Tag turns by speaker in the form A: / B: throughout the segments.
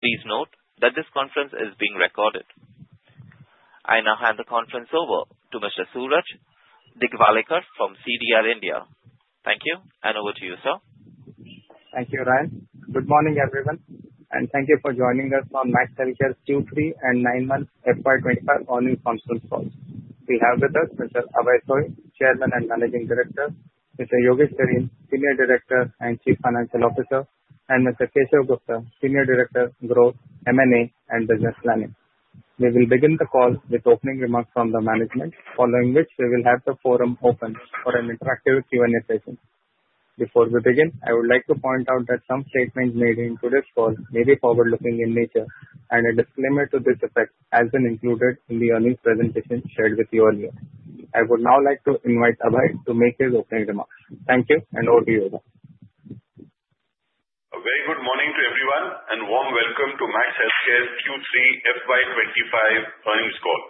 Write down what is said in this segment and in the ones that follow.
A: Please note that this conference is being recorded. I now hand the conference over to Mr. Suraj Digawalekar from CDR India. Thank you, and over to you, sir.
B: Thank you, Ryan. Good morning, everyone, and thank you for joining us on Max Healthcare's Q3 and 9-month FY25 earnings conference call. We have with us Mr. Abhay Soi, Chairman and Managing Director, Mr. Yogesh Sareen, Senior Director and Chief Financial Officer, and Mr. Keshav Gupta, Senior Director, Growth, M&A, and Business Planning. We will begin the call with opening remarks from the management, following which we will have the forum open for an interactive Q&A session. Before we begin, I would like to point out that some statements made in today's call may be forward-looking in nature, and a disclaimer to this effect has been included in the earnings presentation shared with you earlier. I would now like to invite Abhay to make his opening remarks. Thank you, and over to you, sir.
C: A very good morning to everyone and a warm welcome to Max Healthcare's Q3 FY25 earnings call.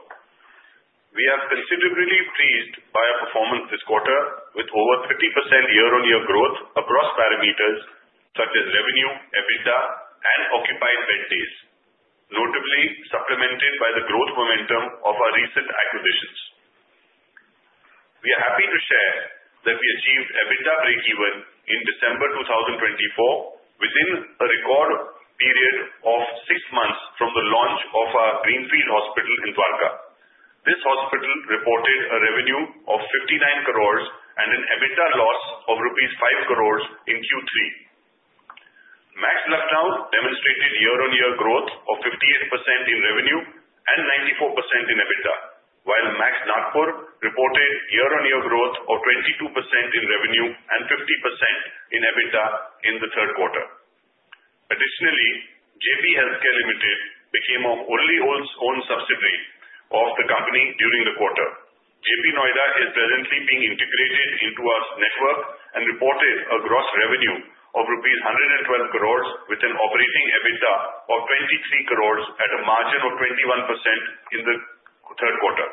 C: We are considerably pleased by our performance this quarter, with over 30% year-on-year growth across parameters such as revenue, EBITDA, and occupied bed days, notably supplemented by the growth momentum of our recent acquisitions. We are happy to share that we achieved EBITDA break-even in December 2024, within a record period of six months from the launch of our Greenfield hospital in Dwarka. This hospital reported a revenue of 59 crores and an EBITDA loss of rupees 5 crores in Q3. Max Lucknow demonstrated year-on-year growth of 58% in revenue and 94% in EBITDA, while Max Nagpur reported year-on-year growth of 22% in revenue and 50% in EBITDA in the third quarter. Additionally, Jaypee Healthcare Limited became a wholly-owned subsidiary of the company during the quarter. Jaypee Noida is presently being integrated into our network and reported a gross revenue of rupees 112 crores, with an operating EBITDA of 23 crores at a margin of 21% in the third quarter.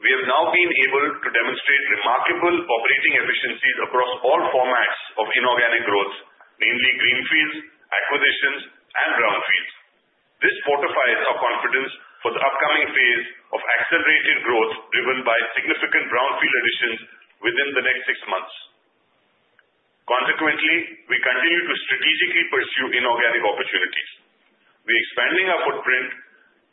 C: We have now been able to demonstrate remarkable operating efficiencies across all formats of inorganic growth, namely greenfields, acquisitions, and brownfields. This fortifies our confidence for the upcoming phase of accelerated growth driven by significant brownfield additions within the next six months. Consequently, we continue to strategically pursue inorganic opportunities. We are expanding our footprint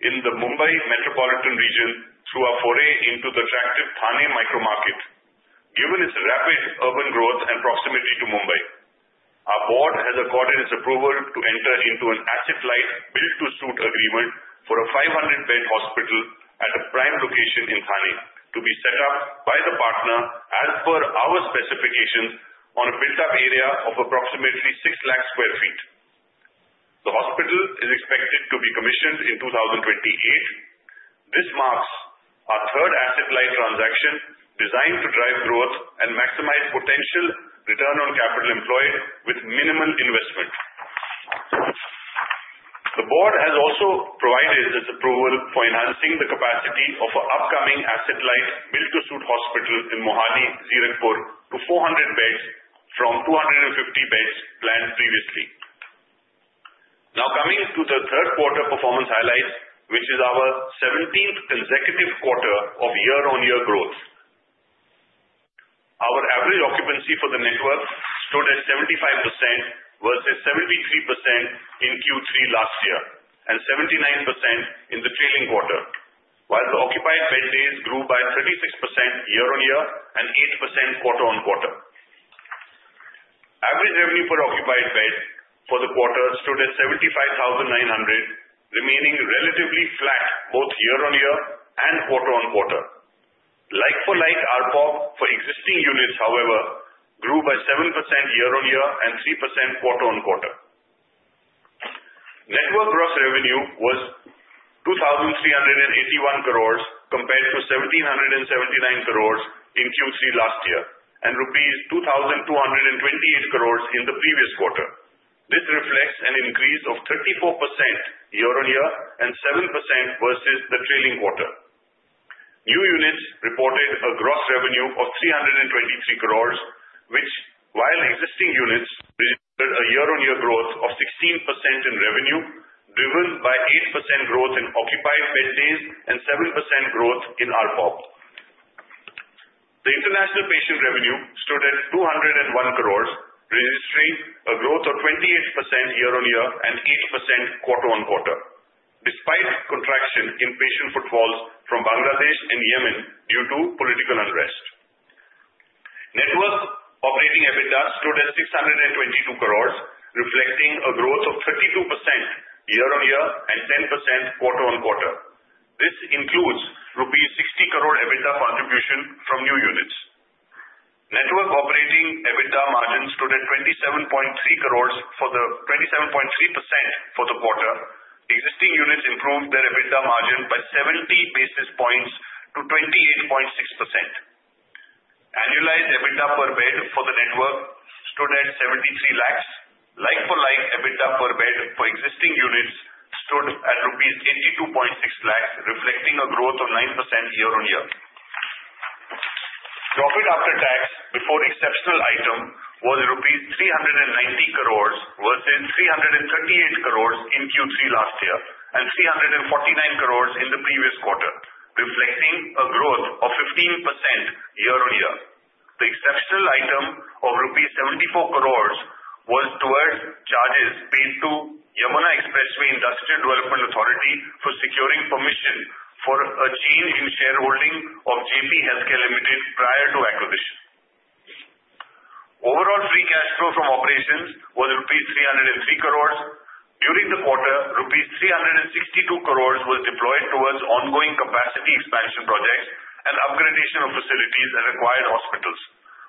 C: in the Mumbai metropolitan region through our foray into the attractive Thane micro-market, given its rapid urban growth and proximity to Mumbai. Our board has accorded its approval to enter into an asset-light build-to-suit agreement for a 500-bed hospital at a prime location in Thane to be set up by the partner as per our specifications on a built-up area of approximately 600,000 sq ft. The hospital is expected to be commissioned in 2028. This marks our third asset-light transaction designed to drive growth and maximize potential return on capital employed with minimal investment. The board has also provided its approval for enhancing the capacity of our upcoming asset-light build-to-suit hospital in Mohali, Zirakpur, to 400 beds from 250 beds planned previously. Now coming to the third quarter performance highlights, which is our 17th consecutive quarter of year-on-year growth. Our average occupancy for the network stood at 75% versus 73% in Q3 last year and 79% in the trailing quarter, while the occupied bed days grew by 36% year-on-year and 8% quarter-on-quarter. Average revenue per occupied bed for the quarter stood at ₹75,900, remaining relatively flat both year-on-year and quarter-on-quarter. Like-for-like output for existing units, however, grew by 7% year-on-year and 3% quarter-on-quarter. Network gross revenue was ₹2,381 crores compared to ₹1,779 crores in Q3 last year and ₹2,228 crores in the previous quarter. This reflects an increase of 34% year-on-year and 7% versus the trailing quarter. New units reported a gross revenue of ₹323 crores, which, while existing units registered a year-on-year growth of 16% in revenue, was driven by 8% growth in occupied bed days and 7% growth in output. The international patient revenue stood at 201 crores, registering a growth of 28% year-on-year and 8% quarter-on-quarter, despite contraction in patient footfalls from Bangladesh and Yemen due to political unrest. Network operating EBITDA stood at 622 crores, reflecting a growth of 32% year-on-year and 10% quarter-on-quarter. This includes rupees 60 crore EBITDA contribution from new units. Network operating EBITDA margin stood at 27.3% for the quarter. Existing units improved their EBITDA margin by 70 basis points to 28.6%. Annualized EBITDA per bed for the network stood at 73 lakhs. Like-for-like EBITDA per bed for existing units stood at 82.6 lakhs, reflecting a growth of 9% year-on-year. Profit after tax before exceptional item was rupees 390 crores versus 338 crores in Q3 last year and 349 crores in the previous quarter, reflecting a growth of 15% year-on-year. The exceptional item of rupees 74 crores was towards charges paid to Yamuna Expressway Industrial Development Authority for securing permission for a change in shareholding of Jaypee Healthcare Limited prior to acquisition. Overall free cash flow from operations was rupees 303 crores. During the quarter, rupees 362 crores was deployed towards ongoing capacity expansion projects and upgradation of facilities at acquired hospitals,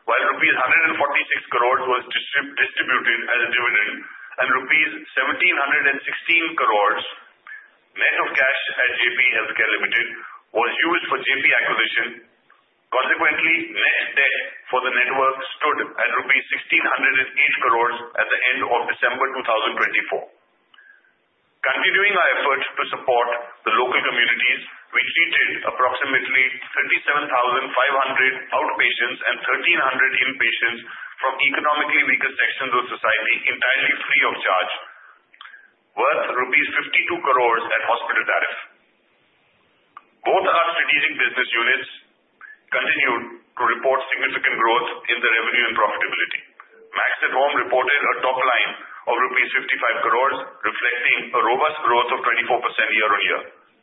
C: while INR 146 crores was distributed as a dividend, and INR 1,716 crores net of cash at Jaypee Healthcare Limited was used for Jaypee acquisition. Consequently, net debt for the network stood at rupees 1,608 crores at the end of December 2024. Continuing our efforts to support the local communities, we treated approximately 37,500 outpatients and 1,300 inpatients from economically weaker sections of society, entirely free of charge, worth rupees 52 crores at hospital tariff. Both our strategic business units continued to report significant growth in their revenue and profitability. Max at Home reported a top line of ₹55 crores, reflecting a robust growth of 24% year-on-year.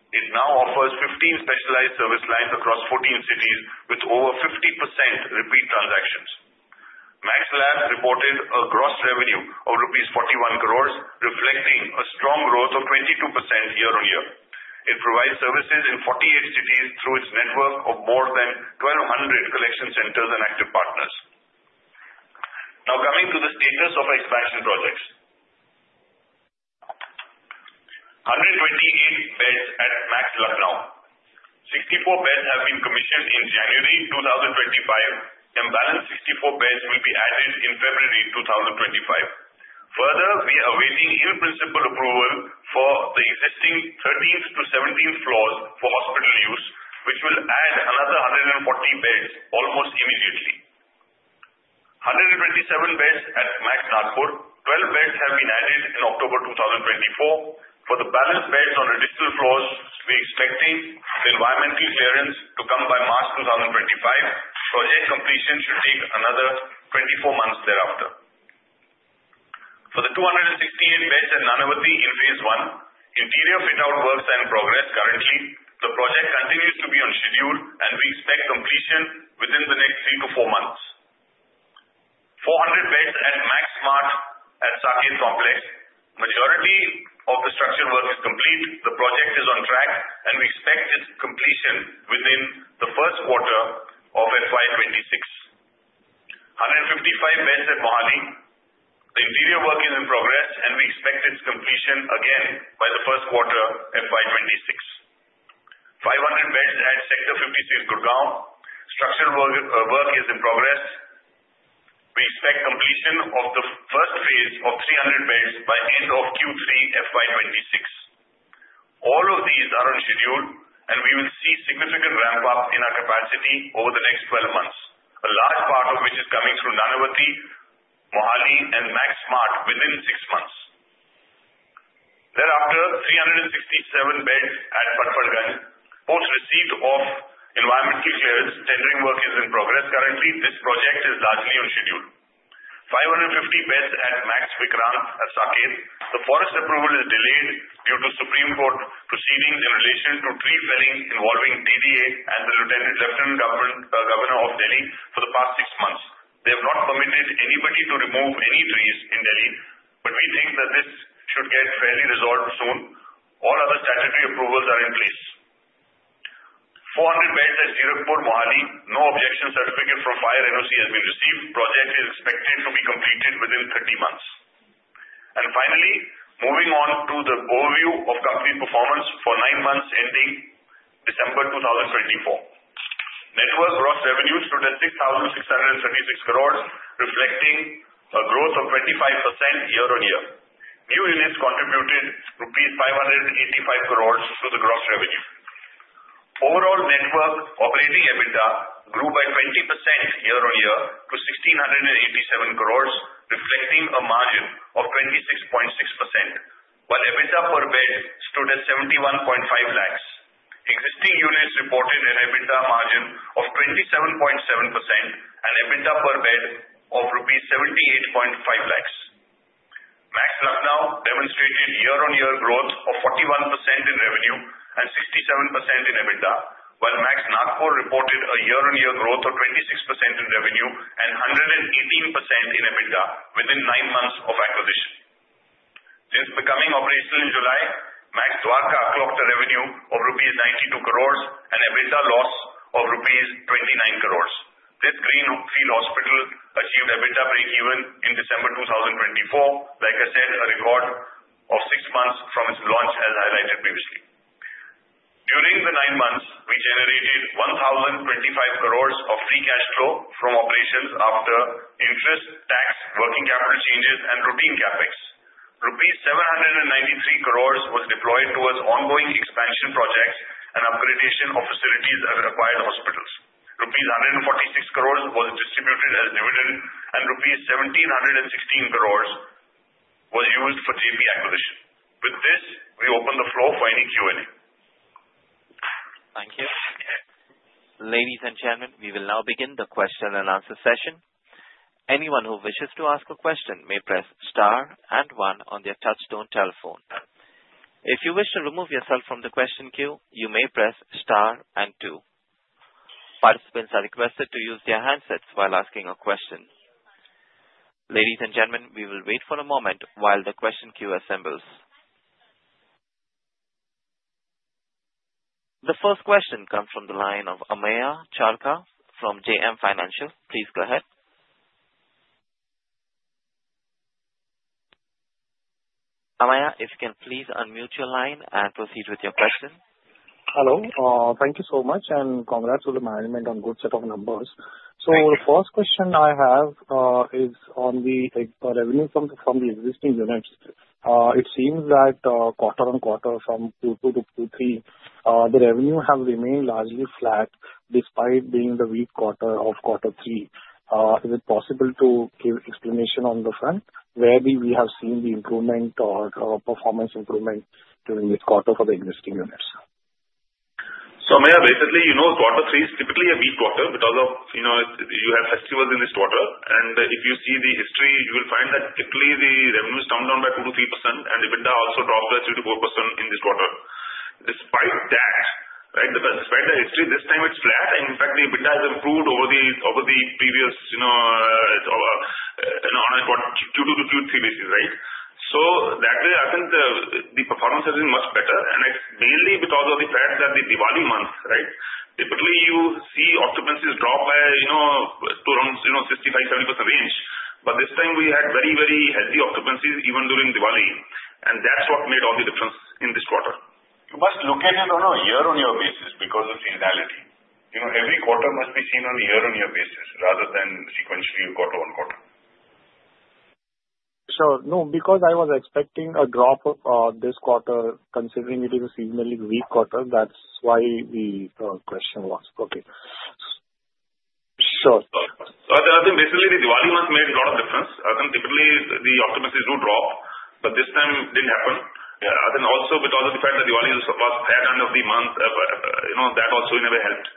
C: It now offers 15 specialized service lines across 14 cities with over 50% repeat transactions. Max Labs reported a gross revenue of ₹41 crores, reflecting a strong growth of 22% year-on-year. It provides services in 48 cities through its network of more than 1,200 collection centers and active partners. Now coming to the status of our expansion projects. 128 beds at Max Lucknow. 64 beds have been commissioned in January 2025. Remaining 64 beds will be added in February 2025. Further, we are awaiting principal approval for the existing 13th to 17th floors for hospital use, which will add another 140 beds almost immediately. 127 beds at Max Nagpur. 12 beds have been added in October 2024. For the balance beds on additional floors, we are expecting the environmental clearance to come by March 2025. Project completion should take another 24 months thereafter. For the 268 beds at Nanavati in phase I, interior fit-out works are in progress currently. The project continues to be on schedule, and we expect completion within the next three to four months. 400 beds at Max Smart at Saket Complex. Majority of the structural work is complete. The project is on track, and we expect its completion within the first quarter of FY26. 155 beds at Mohali. The interior work is in progress, and we expect its completion again by the first quarter of FY26. 500 beds at Sector 56, Gurgaon. Structural work is in progress. We expect completion of the first phase of 300 beds by the end of Q3 FY26. All of these are on schedule, and we will see significant ramp-up in our capacity over the next 12 months, a large part of which is coming through Nanavati, Mohali, and Max Smart within six months. Thereafter, 367 beds at Patparganj, post receipt of environmental clearance. Tendering work is in progress currently. This project is largely on schedule. 550 beds at Max Vikrant at Saket. The forest approval is delayed due to Supreme Court proceedings in relation to tree felling involving DDA and the Lieutenant Governor of Delhi for the past six months. They have not permitted anybody to remove any trees in Delhi, but we think that this should get fairly resolved soon. All other statutory approvals are in place. 400 beds at Zirakpur, Mohali. No objection certificate from Fire NOC has been received. Project is expected to be completed within 30 months. Finally, moving on to the overview of company performance for nine months ending December 2024. Network gross revenue stood at ₹6,636 crores, reflecting a growth of 25% year-on-year. New units contributed ₹585 crores to the gross revenue. Overall network operating EBITDA grew by 20% year-on-year to ₹1,687 crores, reflecting a margin of 26.6%, while EBITDA per bed stood at ₹71.5 lakhs. Existing units reported an EBITDA margin of 27.7% and EBITDA per bed of ₹78.5 lakhs. Max Lucknow demonstrated year-on-year growth of 41% in revenue and 67% in EBITDA, while Max Nagpur reported a year-on-year growth of 26% in revenue and 118% in EBITDA within nine months of acquisition. Since becoming operational in July, Max Dwarka clocked a revenue of ₹92 crores and EBITDA loss of ₹29 crores. This greenfield hospital achieved EBITDA break-even in December 2024, like I said, a record of six months from its launch, as highlighted previously. During the nine months, we generated 1,025 crores of free cash flow from operations after interest, tax, working capital changes, and routine CapEx. Rupees 793 crores was deployed towards ongoing expansion projects and upgradation of facilities at acquired hospitals. Rupees 146 crores was distributed as dividend, and rupees 1,716 crores was used for Jaypee acquisition. With this, we open the floor for any Q&A.
A: Thank you. Ladies and gentlemen, we will now begin the question and answer session. Anyone who wishes to ask a question may press star and one on their touch-tone telephone. If you wish to remove yourself from the question queue, you may press star and two. Participants are requested to use their handsets while asking a question. Ladies and gentlemen, we will wait for a moment while the question queue assembles. The first question comes from the line of Amey Chalke from JM Financial. Please go ahead. Amey, if you can please unmute your line and procedures with your question.
D: Hello. Thank you so much, and congrats to the management on a good set of numbers. So the first question I have is on the revenue from the existing units. It seems that quarter on quarter from Q2 to Q3, the revenue has remained largely flat despite being the weak quarter of quarter three. Is it possible to give an explanation on the front where we have seen the improvement or performance improvement during this quarter for the existing units?
C: Amaya, basically, you know quarter three is typically a weak quarter because you have festivals in this quarter. And if you see the history, you will find that typically the revenue has come down by 2%-3%, and EBITDA also dropped by 2%-4% in this quarter. Despite that, right, despite the history, this time it's flat, and in fact, the EBITDA has improved over the previous on a Q2 to Q3 basis, right? That way, I think the performance has been much better, and it's mainly because of the fact that the Diwali month, right, typically you see occupancies drop by around 65%-70% range. But this time we had very, very heavy occupancies even during Diwali, and that's what made all the difference in this quarter. You must look at it on a year-on-year basis because of seasonality. Every quarter must be seen on a year-on-year basis rather than sequentially quarter on quarter.
D: Sure. No, because I was expecting a drop this quarter, considering it is a seasonally weak quarter, that's why the question was okay. Sure.
C: So I think basically the Diwali month made a lot of difference. I think typically the occupancies do drop, but this time it didn't happen. I think also because of the fact that Diwali was the third end of the month, that also never helped.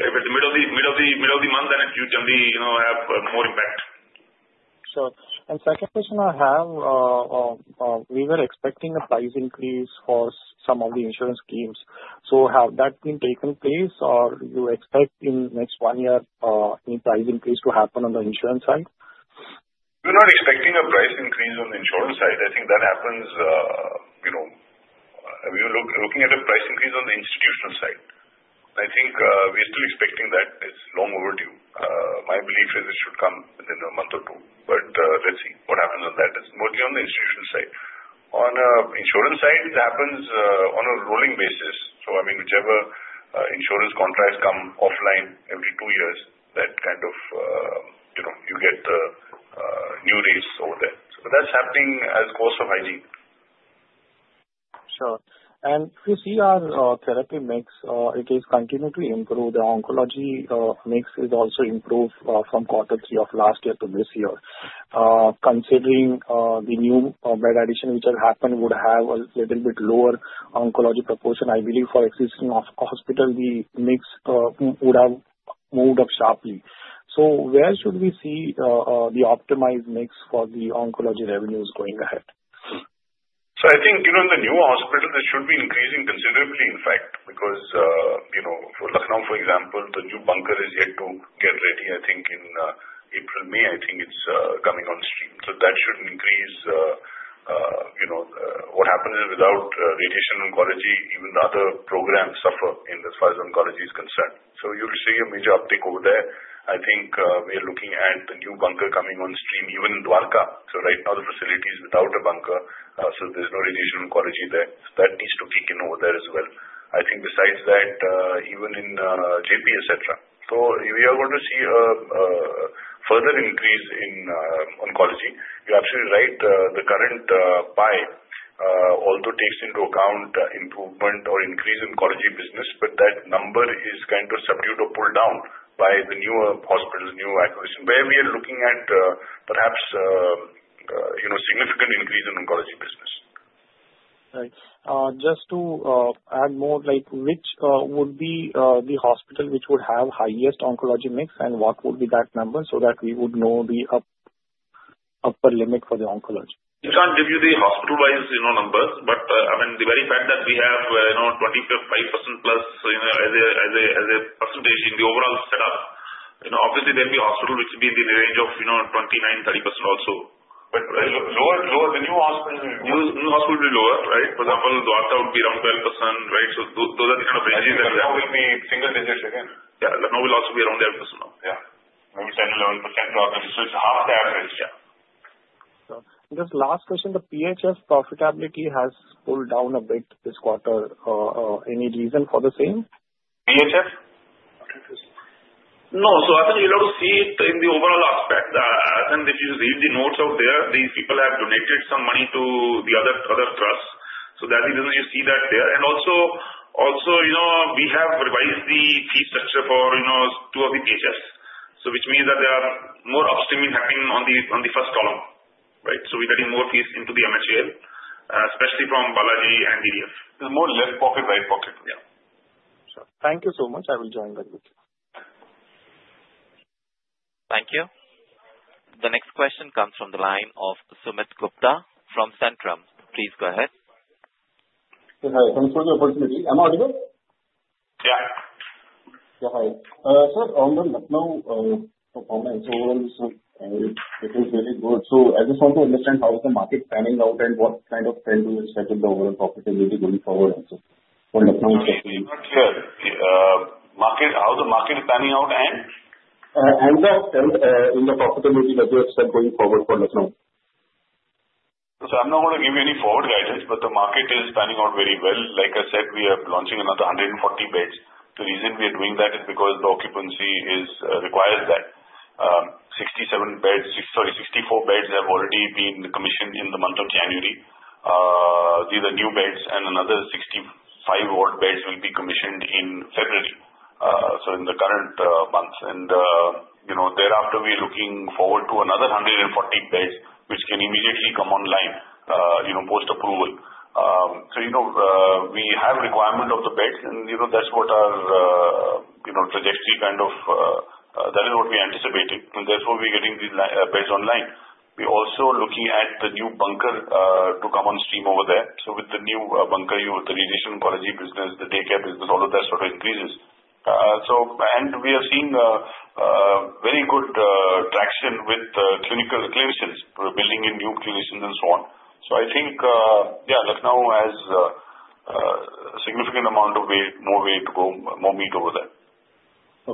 C: If it's the middle of the month, then it can have more impact.
D: Sure. And second question I have, we were expecting a price increase for some of the insurance schemes. So has that been taking place, or do you expect in the next one year any price increase to happen on the insurance side?
C: We're not expecting a price increase on the insurance side. I think that happens if you're looking at a price increase on the institutional side. I think we're still expecting that. It's long overdue. My belief is it should come within a month or two, but let's see what happens on that. It's mostly on the institutional side. On the insurance side, it happens on a rolling basis. So I mean, whichever insurance contracts come offline every two years, that kind of you get the new rates over there. So that's happening as a course of hygiene.
D: Sure. And if you see our therapy mix, it is continuing to improve. The oncology mix is also improved from quarter three of last year to this year. Considering the new bed addition which has happened would have a little bit lower oncology proportion, I believe for existing hospitals, the mix would have moved up sharply. So where should we see the optimized mix for the oncology revenues going ahead?
C: So, I think the new hospitals, they should be increasing considerably, in fact, because for Lucknow, for example, the new bunker is yet to get ready, I think in April, May. I think it's coming on stream. So that should increase. What happens is without radiation oncology, even other programs suffer in as far as oncology is concerned. So you'll see a major uptick over there. I think we are looking at the new bunker coming on stream, even in Dwarka. So right now, the facility is without a bunker, so there's no radiation oncology there. So that needs to kick in over there as well. I think besides that, even in Jaypee, etc. So we are going to see a further increase in oncology. You're absolutely right. The current pie, although it takes into account improvement or increase in oncology business, but that number is kind of subdued or pulled down by the newer hospitals, newer acquisitions, where we are looking at perhaps a significant increase in oncology business.
D: Right. Just to add more, which would be the hospital which would have the highest oncology mix, and what would be that number so that we would know the upper limit for the oncology?
C: We can't give you the hospital-wise numbers, but I mean, the very fact that we have 25% plus as a percentage in the overall setup, obviously there will be hospitals which will be in the range of 29%-30% also. But lower, the new hospital will be lower. New hospital will be lower, right? For example, Dwarka would be around 12%, right? So those are the kind of ranges that.
E: Yeah, but now will be single digits again.
C: Yeah, but now will also be around 11% now. Yeah. Maybe 10%, 11%. So it's half the average.
D: Yeah. Just last question. The PHF profitability has pulled down a bit this quarter. Any reason for the same?
E: PHF?
C: No. So I think you'll see it in the overall aspect. I think if you read the notes out there, these people have donated some money to the other trusts. So that is the reason you see that there. And also, we have revised the fee structure for two of the PHFs, which means that there are more upstreaming happening on the first column, right? So we're getting more fees into the MHIL, especially from Balaji and DDF.
E: More left pocket, right pocket.
C: Yeah.
D: Sure. Thank you so much. I will join that with you.
A: Thank you. The next question comes from the line of Sumit Gupta from Centrum. Please go ahead.
F: Hey, hi. Thanks for the opportunity. Am I audible?
E: Yeah.
F: Yeah, hi. Sir, on the Lucknow performance, overall, it is very good. So I just want to understand how is the market panning out and what kind of trend do you expect with the overall profitability going forward also for Lucknow?
C: Sure. How is the market panning out and?
F: End of 12 in the profitability that you expect going forward for Lucknow?
C: So I'm not going to give you any forward guidance, but the market is panning out very well. Like I said, we are launching another 140 beds. The reason we are doing that is because the occupancy requires that. 67 beds, sorry, 64 beds have already been commissioned in the month of January. These are new beds, and another 65-odd beds will be commissioned in February, so in the current month. And thereafter, we are looking forward to another 140 beds, which can immediately come online post-approval. So we have requirement of the beds, and that's what our trajectory kind of is what we anticipated. And that's why we're getting these beds online. We're also looking at the new bunker to come on stream over there. So with the new bunker, the radiation oncology business, the daycare business, all of that sort of increases. We are seeing very good traction with clinicians building in new clinicians and so on. I think, yeah, Lucknow has a significant amount of more way to go, more meat over there.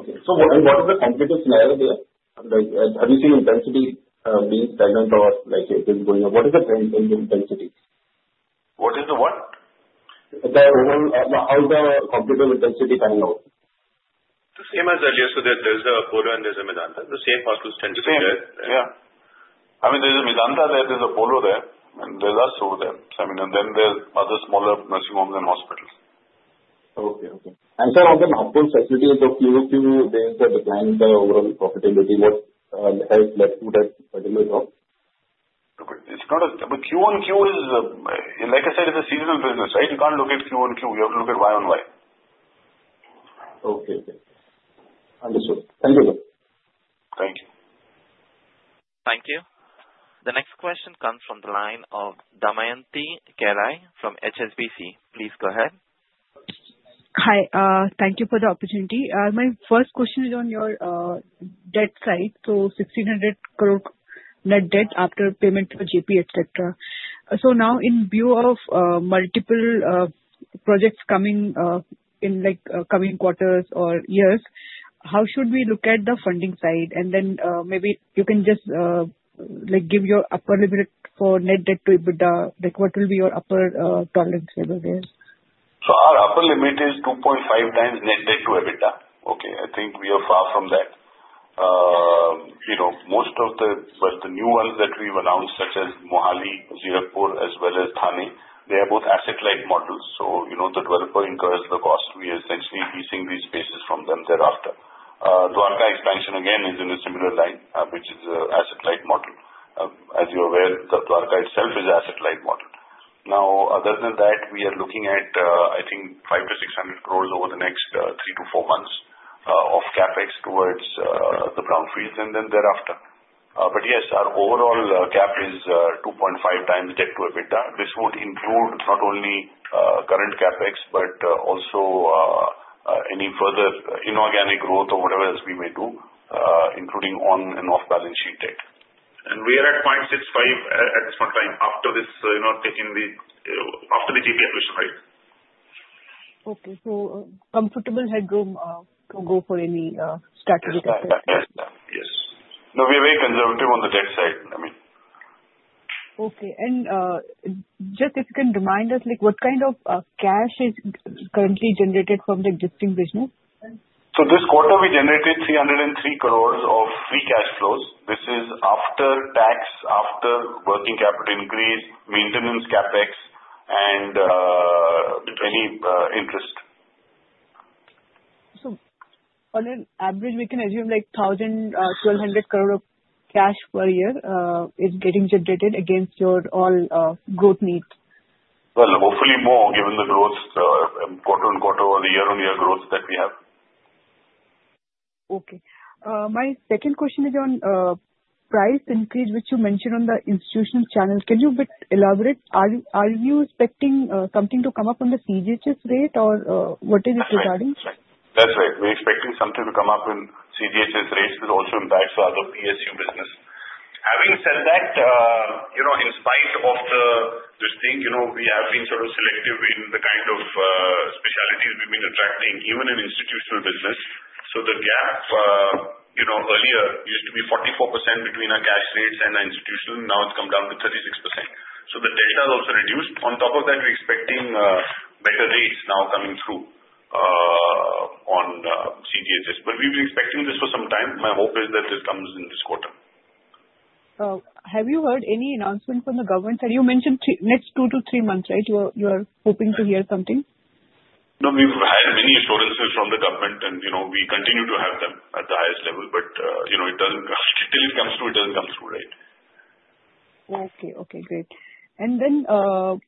F: Okay. So what is the competitive scenario there? Have you seen intensity being stagnant or it is going up? What is the trend in the intensity?
C: What is the what?
F: The overall, how is the competitive intensity panning out?
C: The same as earlier. So there's an Apollo and there's a Medanta. The same hospitals tend to be there.
E: Yeah. I mean, there's a Medanta there, there's an Apollo there, and there's us over there. And then there's other smaller nursing homes and hospitals.
F: Okay. Sir, on the Max PPG facility in the Q1, there is a decline in the overall profitability. What has led to that particular drop?
C: It's not a Q-on-Q is, like I said, it's a seasonal business, right? You can't look at Q-on-Q. You have to look at Y and Y.
F: Okay. Okay. Understood. Thank you, sir.
C: Thank you.
A: Thank you. The next question comes from the line of Damayanti Kerai from HSBC. Please go ahead.
F: Hi. Thank you for the opportunity. My first question is on your debt side. So 1,600 crore net debt after payment to Jaypee, etc. So now, in view of multiple projects coming in coming quarters or years, how should we look at the funding side? And then maybe you can just give your upper limit for net debt to EBITDA. What will be your upper tolerance level there?
C: Our upper limit is 2.5 times net debt to EBITDA. Okay. I think we are far from that. Most of the new ones that we've announced, such as Mohali, Zirakpur, as well as Thane, they are both asset-light models. So the developer incurs the cost. We are essentially leasing these spaces from them thereafter. Dwarka expansion, again, is in a similar line, which is an asset-light model. As you're aware, Dwarka itself is an asset-light model. Now, other than that, we are looking at, I think, 500-600 crores over the next three to four months of CapEx towards the Brownfield and then thereafter. But yes, our overall cap is 2.5 times debt to EBITDA. This would include not only current CapEx, but also any further inorganic growth or whatever else we may do, including on and off-balance sheet debt. We are at 0.65 at this point in time after the Jaypee acquisition, right?
F: Okay, so comfortable headroom to go for any strategic acquisition?
C: Yes. Yes. No, we are very conservative on the debt side. I mean.
F: Okay, and just if you can remind us, what kind of cash is currently generated from the existing business?
C: So this quarter, we generated 303 crores of free cash flows. This is after tax, after working capital increase, maintenance CapEx, and any interest.
F: So on an average, we can assume like 1,000-1,200 crore of cash per year is getting generated against your all growth needs.
C: Hopefully more, given the growth quarter on quarter or the year-on-year growth that we have.
F: Okay. My second question is on price increase, which you mentioned on the institutional channel. Can you elaborate? Are you expecting something to come up on the CGHS rate, or what is it regarding?
C: That's right. We're expecting something to come up in CGHS rates that also impacts other PSU business. Having said that, in spite of the thing, we have been sort of selective in the kind of specialties we've been attracting, even in institutional business. So the gap earlier used to be 44% between our cash rates and our institutional. Now it's come down to 36%. So the delta has also reduced. On top of that, we're expecting better rates now coming through on CGHS. But we've been expecting this for some time. My hope is that this comes in this quarter.
F: Have you heard any announcement from the government? You mentioned next two to three months, right? You are hoping to hear something?
C: No, we've had many assurances from the government, and we continue to have them at the highest level. But until it comes through, it doesn't come through, right?
F: Okay. Okay. Great. And then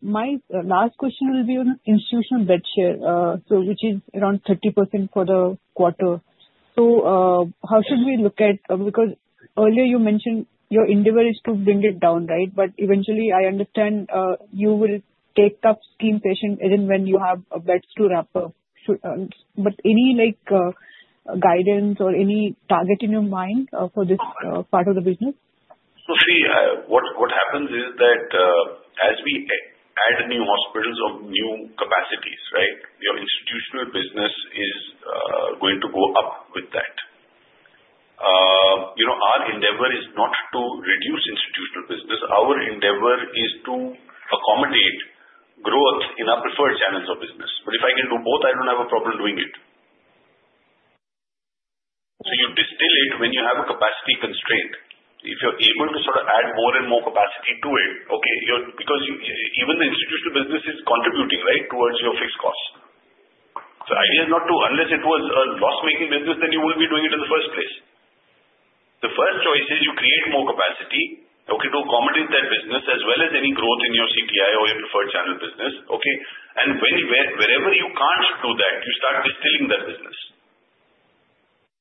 F: my last question will be on institutional bed share, which is around 30% for the quarter. So how should we look at it? Because earlier, you mentioned your objective is to bring it down, right? But eventually, I understand you will take up scheme patients even when you have beds to spare. But any guidance or any target in your mind for this part of the business?
C: So see, what happens is that as we add new hospitals or new capacities, right, your institutional business is going to go up with that. Our endeavor is not to reduce institutional business. Our endeavor is to accommodate growth in our preferred channels of business. But if I can do both, I don't have a problem doing it. So you dilute it when you have a capacity constraint. If you're able to sort of add more and more capacity to it, okay, because even the institutional business is contributing, right, towards your fixed costs. So the idea is not to unless it was a loss-making business, then you wouldn't be doing it in the first place. The first choice is you create more capacity, okay, to accommodate that business as well as any growth in your CTI or your preferred channel business, okay? Wherever you can't do that, you start distilling that business.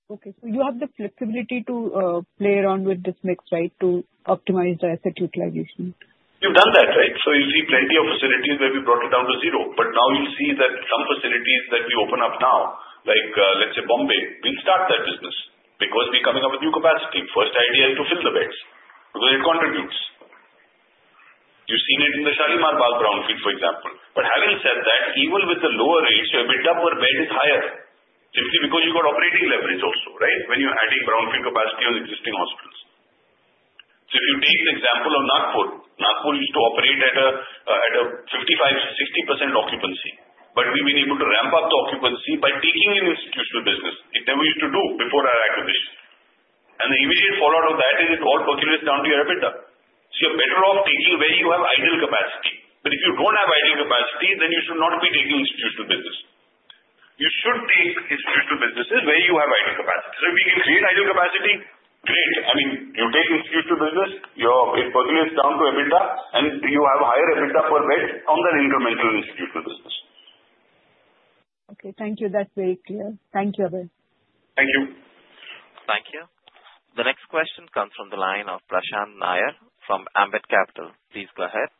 F: Okay. So you have the flexibility to play around with this mix, right, to optimize the asset utilization?
C: You've done that, right? So you see plenty of facilities where we brought it down to zero. But now you'll see that some facilities that we open up now, like let's say Bombay, we'll start that business because we're coming up with new capacity. First idea is to fill the beds because it contributes. You've seen it in the Shalimar Bagh brownfield, for example. But having said that, even with the lower rates, your ARPOB is higher simply because you've got operating leverage also, right, when you're adding brownfield capacity on existing hospitals. So if you take the example of Nagpur, Nagpur used to operate at a 55%-60% occupancy. But we've been able to ramp up the occupancy by taking in institutional business. It never used to do before our acquisition. And the immediate fallout of that is it all percolates down to your EBITDA. So you're better off taking where you have idle capacity. But if you don't have idle capacity, then you should not be taking institutional business. You should take institutional businesses where you have idle capacity. So if we can create idle capacity, great. I mean, you take institutional business. It percolates down to EBITDA, and you have higher EBITDA per bed on the incremental institutional business.
F: Okay. Thank you. That's very clear. Thank you, Abhay.
C: Thank you.
A: Thank you. The next question comes from the line of Prashant Nair from Ambit Capital. Please go ahead.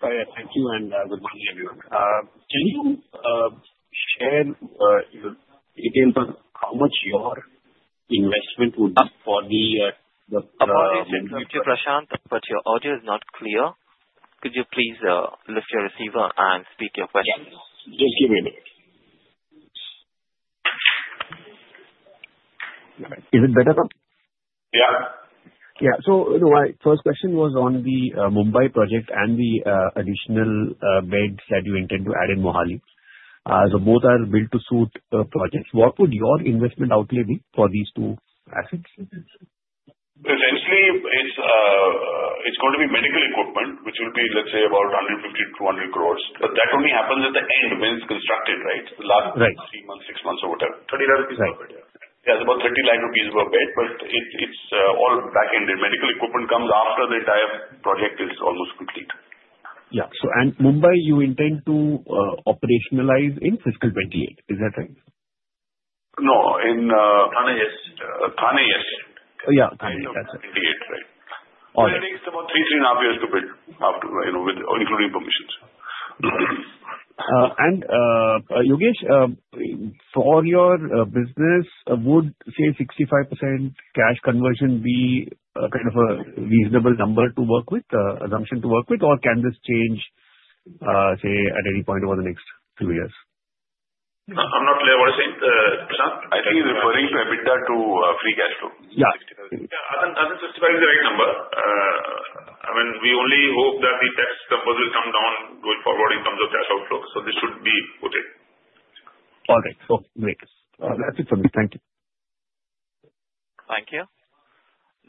F: Thank you and good morning, everyone. Can you share your details on how much your investment would cost for the?
A: Okay. Thank you, Prashant. But your audio is not clear. Could you please lift your receiver and speak your question?
G: Yes. Just give me a minute. Is it better now?
C: Yeah.
G: Yeah. So first question was on the Mumbai project and the additional beds that you intend to add in Mohali. So both are build-to-suit projects. What would your investment outlay be for these two assets?
C: Essentially, it's going to be medical equipment, which will be, let's say, about 150-200 crores. But that only happens at the end when it's constructed, right? The last three months, six months, or whatever.
E: 30 lakh rupees per bed, yeah.
C: Yeah, it's about 30 lakh rupees per bed, but it's all back-ended. Medical equipment comes after the entire project is almost complete.
F: Yeah, and Mumbai, you intend to operationalize in fiscal 2028. Is that right?
C: No. In Thane, yes. Thane, yes.
F: Yeah. Thane.
C: 28, right?
E: Yeah. It takes about three, three and a half years to build, including permissions.
G: Yogesh, for your business, would say 65% cash conversion be kind of a reasonable assumption to work with, or can this change, say, at any point over the next few years?
E: I'm not clear what you're saying, Prashant. I think you're referring to EBITDA to free cash flow.
F: Yeah.
E: Yeah. Other than 65 is the right number. I mean, we only hope that the tax numbers will come down going forward in terms of cash outflow. So this should be okay.
F: All right. Okay. Great. That's it for me. Thank you.
A: Thank you.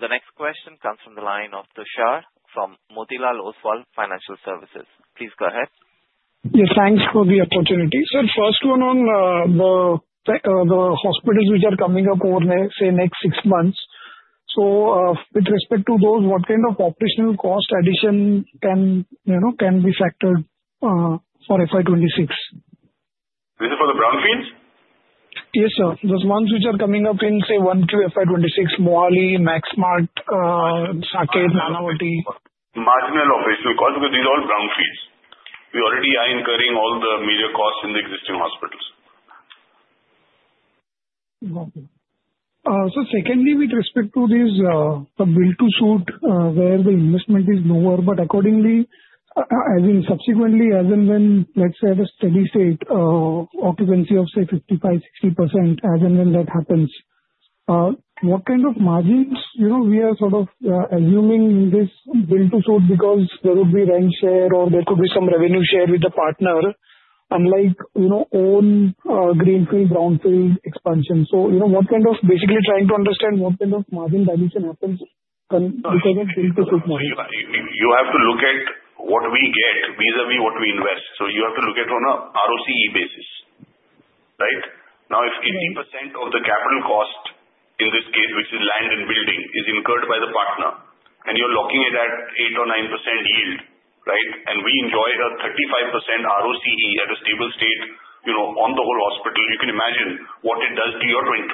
A: The next question comes from the line of Tushar from Motilal Oswal Financial Services. Please go ahead.
F: Yes. Thanks for the opportunity. So the first one on the hospitals which are coming up over, say, next six months. So with respect to those, what kind of operational cost addition can be factored for FY26?
E: Is it for the brownfields?
F: Yes, sir. Those ones which are coming up in, say, 1Q FY26, Mohali, Max Smart, Saket, Nanavati.
E: Marginal operational cost because these are all brownfields. We already are incurring all the major costs in the existing hospitals.
F: Okay. So secondly, with respect to this, the build-to-suit, where the investment is lower, but accordingly, as in subsequently, as in when, let's say, at a steady state, occupancy of, say, 55%-60%, as in when that happens, what kind of margins we are sort of assuming in this build-to-suit because there would be rent share or there could be some revenue share with the partner, unlike own greenfield, brownfield expansion? So what kind of basically trying to understand what kind of margin dilution happens because of build-to-suit margin.
C: You have to look at what we get vis-à-vis what we invest. So you have to look at it on an ROCE basis, right? Now, if 80% of the capital cost, in this case, which is land and building, is incurred by the partner, and you're locking it at 8 or 9% yield, right, and we enjoy a 35% ROCE at a stable state on the whole hospital, you can imagine what it does to your 20%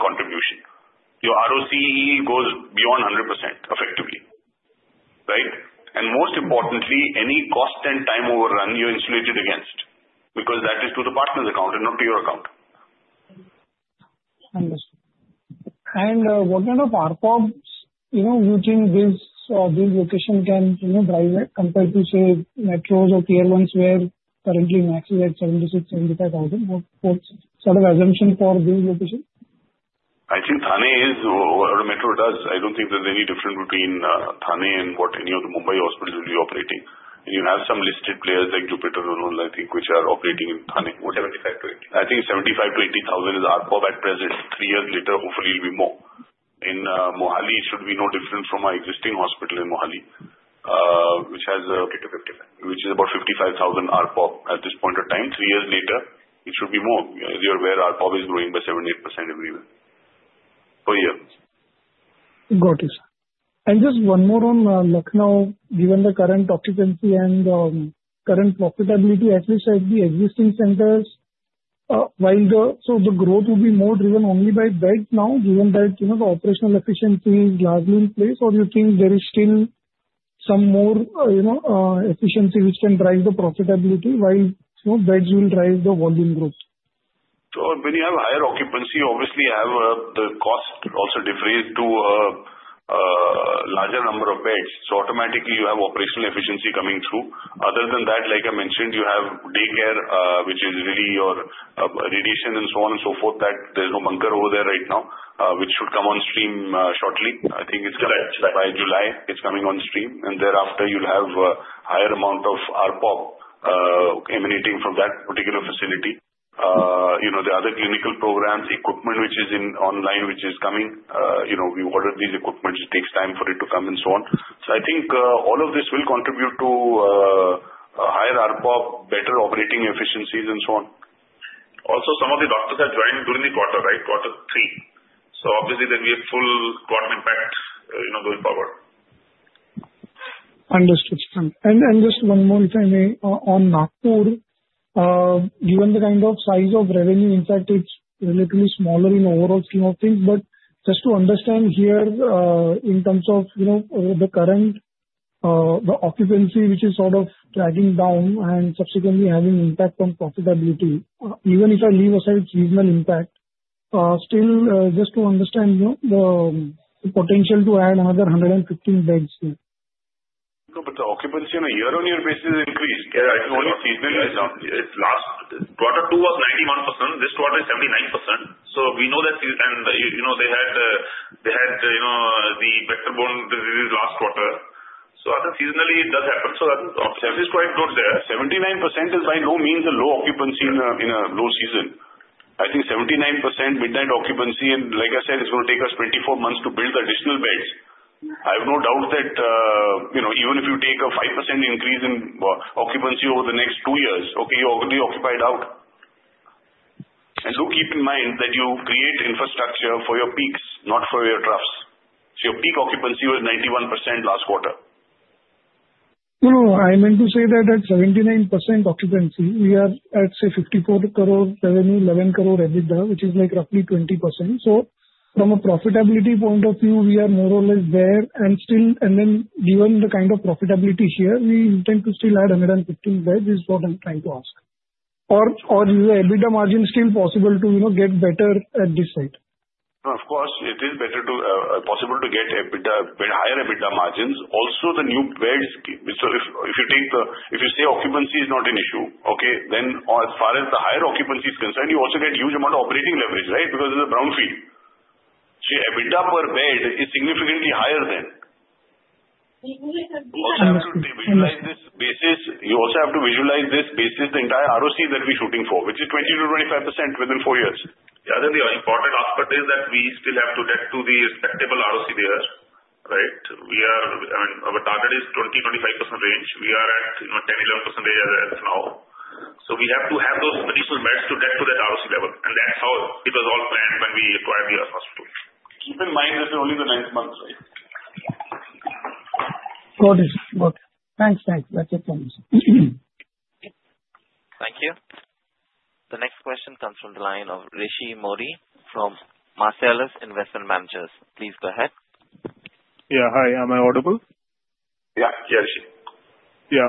C: contribution. Your ROCE goes beyond 100% effectively, right? And most importantly, any cost and time overrun, you're insulated against because that is to the partner's account and not to your account.
F: Understood. And what kind of ARPOBs using this location can drive it compared to, say, metros or Tier 1s where currently Max is at 75-76 thousand? What sort of assumption for these locations?
E: I think Thane is what a metro does. I don't think there's any difference between Thane and what any of the Mumbai hospitals will be operating. And you have some listed players like Jupiter and all, I think, which are operating in Thane. What's 75 to 80? I think 75-80 thousand is ARPOB at present. Three years later, hopefully, it'll be more. In Mohali, it should be no different from our existing hospital in Mohali, which has a 55, which is about 55,000 ARPOB at this point in time. Three years later, it should be more. As you're aware, ARPOB is growing by 7-8% every year.
F: Got it. Just one more on Lucknow, given the current occupancy and current profitability, at least at the existing centers, while so the growth will be more driven only by beds now, given that the operational efficiency is largely in place, or you think there is still some more efficiency which can drive the profitability while beds will drive the volume growth?
C: So when you have higher occupancy, obviously, the cost also degrades to a larger number of beds. So automatically, you have operational efficiency coming through. Other than that, like I mentioned, you have daycare, which is really your radiation and so on and so forth that there's no bunker over there right now, which should come on stream shortly. I think it's by July, it's coming on stream. And thereafter, you'll have a higher amount of ARPOB emanating from that particular facility. The other clinical programs, equipment which is online, which is coming, we order these equipment. It takes time for it to come and so on. So I think all of this will contribute to higher ARPOB, better operating efficiencies, and so on. Also, some of the doctors are joining during the quarter, right? Quarter three. So obviously, then we have full quarter impact going forward.
F: Understood. And just one more thing on Nagpur, given the kind of size of revenue, in fact, it's relatively smaller in overall scheme of things. But just to understand here, in terms of the current occupancy, which is sort of dragging down and subsequently having impact on profitability, even if I leave aside seasonal impact, still, just to understand the potential to add another 115 beds here.
E: No, but the occupancy on a year-on-year basis increased. I think only seasonally is down. Quarter two was 91%. This quarter is 79%. So we know that and they had the vector-borne disease last quarter. So I think seasonally it does happen. So I think occupancy is quite good there. 79% is by no means a low occupancy in a low season. I think 79% midnight occupancy, and like I said, it's going to take us 24 months to build additional beds. I have no doubt that even if you take a 5% increase in occupancy over the next two years, okay, you're already occupied out. And do keep in mind that you create infrastructure for your peaks, not for your troughs. So your peak occupancy was 91% last quarter.
F: No, no. I meant to say that at 79% occupancy, we are at, say, 54 crore revenue, 11 crore EBITDA, which is like roughly 20%. So from a profitability point of view, we are more or less there. And then given the kind of profitability here, we intend to still add 115 beds is what I'm trying to ask. Or is the EBITDA margin still possible to get better at this site?
E: Of course, it is possible to get higher EBITDA margins. Also, the new beds, if you say occupancy is not an issue, okay, then as far as the higher occupancy is concerned, you also get a huge amount of operating leverage, right, because it's a brownfield. So EBITDA per bed is significantly higher than. You also have to visualize this basis, the entire ROCE that we're shooting for, which is 20%-25% within four years. Other important aspect is that we still have to get to the respectable ROCE there, right? I mean, our target is 20%-25% range. We are at 10%-11% range as of now. So we have to have those additional beds to get to that ROCE level. And that's how it was all planned when we acquired the hospital. Keep in mind that only the ninth month, right?
F: Got it. Got it. Thanks. Thanks. That's it. Thanks.
A: Thank you. The next question comes from the line of Rishi Modi from Marcellus Investment Managers. Please go ahead.
F: Yeah. Hi. Am I audible?
E: Yeah. Yeah, Rishi.
F: Yeah.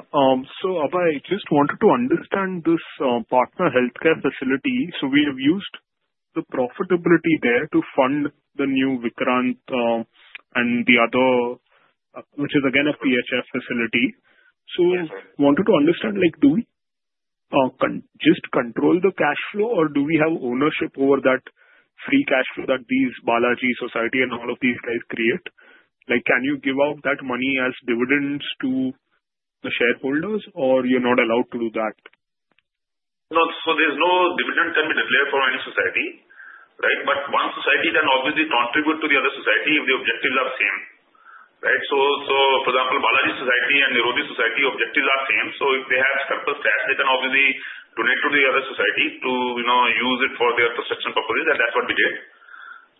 F: So Abhay, I just wanted to understand this partner healthcare facility. So we have used the profitability there to fund the new Vikrant and the other, which is again a PHF facility. So wanted to understand, do we just control the cash flow, or do we have ownership over that free cash flow that these Balaji Society and all of these guys create? Can you give out that money as dividends to the shareholders, or you're not allowed to do that?
E: No. So there's no dividend can be declared for any society, right? But one society can obviously contribute to the other society if the objectives are the same, right? So for example, Balaji Society and Nirogi Society, objectives are the same. So if they have surplus cash, they can obviously donate to the other society to use it for their construction purposes, and that's what we did,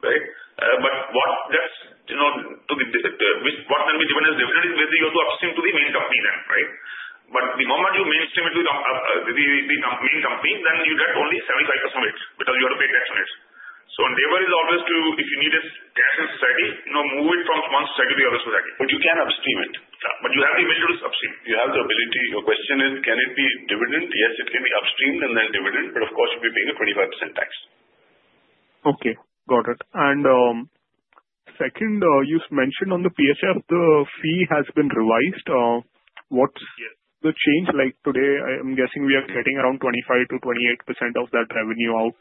E: right? But what can be given as dividend is basically you have to upstream to the main company then, right? But the moment you upstream it to the main company, then you get only 75% of it because you have to pay tax on it. So endeavor is always to, if you need this cash in society, move it from one society to the other society. But you can upstream it. Yeah. But you have the ability to upstream. You have the ability. Your question is, can it be dividend? Yes, it can be upstream and then dividend, but of course, you'll be paying a 25% tax.
F: Okay. Got it. And second, you mentioned on the PHF, the fee has been revised. What's the change? Like today, I'm guessing we are getting around 25%-28% of that revenue out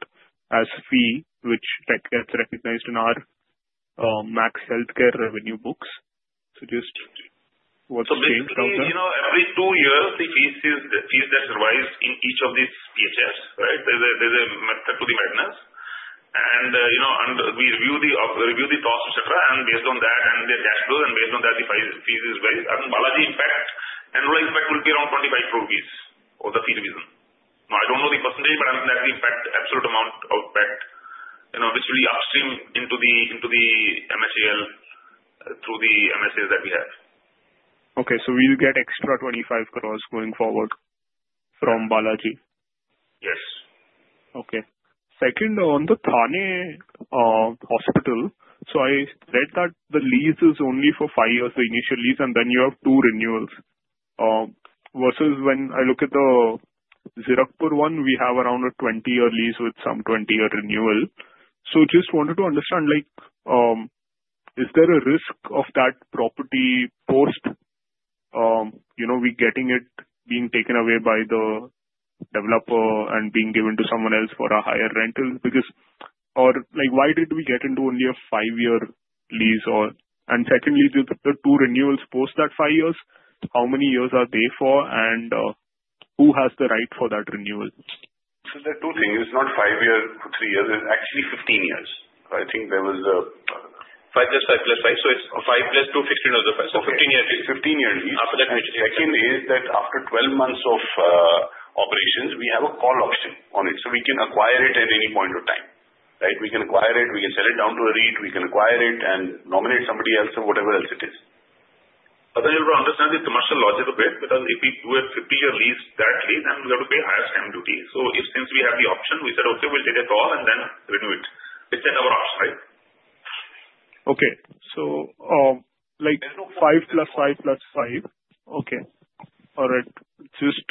F: as fee, which gets recognized in our Max Healthcare revenue books. So just what's changed on that?
C: So basically, every two years, the fees that's revised in each of these PHFs, right? There's a method to the madness. And we review the cost, etc., and based on that and their cash flow, and based on that, the fee is raised. And Balaji's impact, overall impact will be around 25 crore rupees for the fee revision. Now, I don't know the percentage, but not the exact absolute amount of impact, which will be upstream into the MHIL through the MSAs that we have.
F: Okay. So we'll get extra 25 crores going forward from Balaji?
C: Yes.
F: Okay. Second, on the Thane hospital, so I read that the lease is only for five years, the initial lease, and then you have two renewals. Versus when I look at the Zirakpur one, we have around a 20-year lease with some 20-year renewal. So just wanted to understand, is there a risk of that property post we getting it being taken away by the developer and being given to someone else for a higher rental? Or why did we get into only a five-year lease? And secondly, the two renewals post that five years, how many years are they for, and who has the right for that renewal?
E: So there are two things. It's not five years to three years. It's actually 15 years. I think there was a five plus five. So it's five plus two, 15 years. So 15 years. 15 years. After that, actually, the second is that after 12 months of operations, we have a call option on it. So we can acquire it at any point of time, right? We can acquire it. We can sell it down to a REIT. We can acquire it and nominate somebody else or whatever else it is. Other than you'll understand the commercial logic of it, because if we do a 50-year lease, that lease, then we have to pay higher stamp duty. So since we have the option, we said, "Okay, we'll take a call and then renew it." It's another option, right?
F: Okay. So five plus five plus five. Okay. All right. Just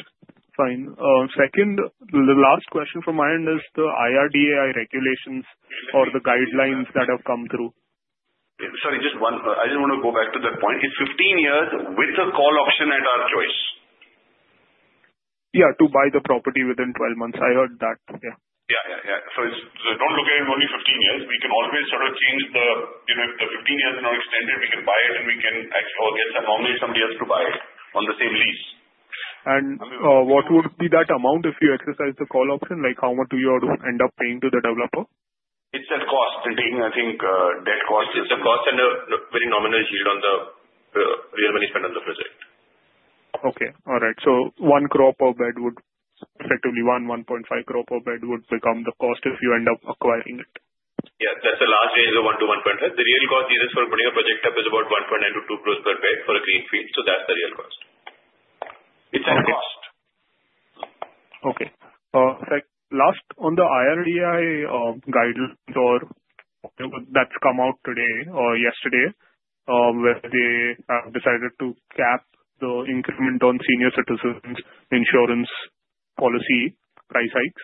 F: fine. Second, the last question from my end is the IRDAI regulations or the guidelines that have come through.
E: Sorry, just one. I just want to go back to that point. It's 15 years with a call option at our choice.
F: Yeah. To buy the property within 12 months. I heard that. Yeah.
E: Don't look at it only 15 years. We can always sort of change the 15 years and extend it. We can buy it and we can get some normally somebody else to buy it on the same lease.
F: What would be that amount if you exercise the call option? How much do you end up paying to the developer?
E: It's at cost. I'm taking, I think, debt cost. It's a cost and a very nominal yield on the real management on the project.
F: One crore per bed would effectively 1.5 crore per bed would become the cost if you end up acquiring it.
E: Yeah. That's the last range of 1-1.5. The real cost is for putting a project up is about 1.9-2 crores per bed for a greenfield. So that's the real cost.
F: It's at cost. Okay. Last, on the IRDAI guidelines that's come out today or yesterday, where they have decided to cap the increment on senior citizens' insurance policy price hikes.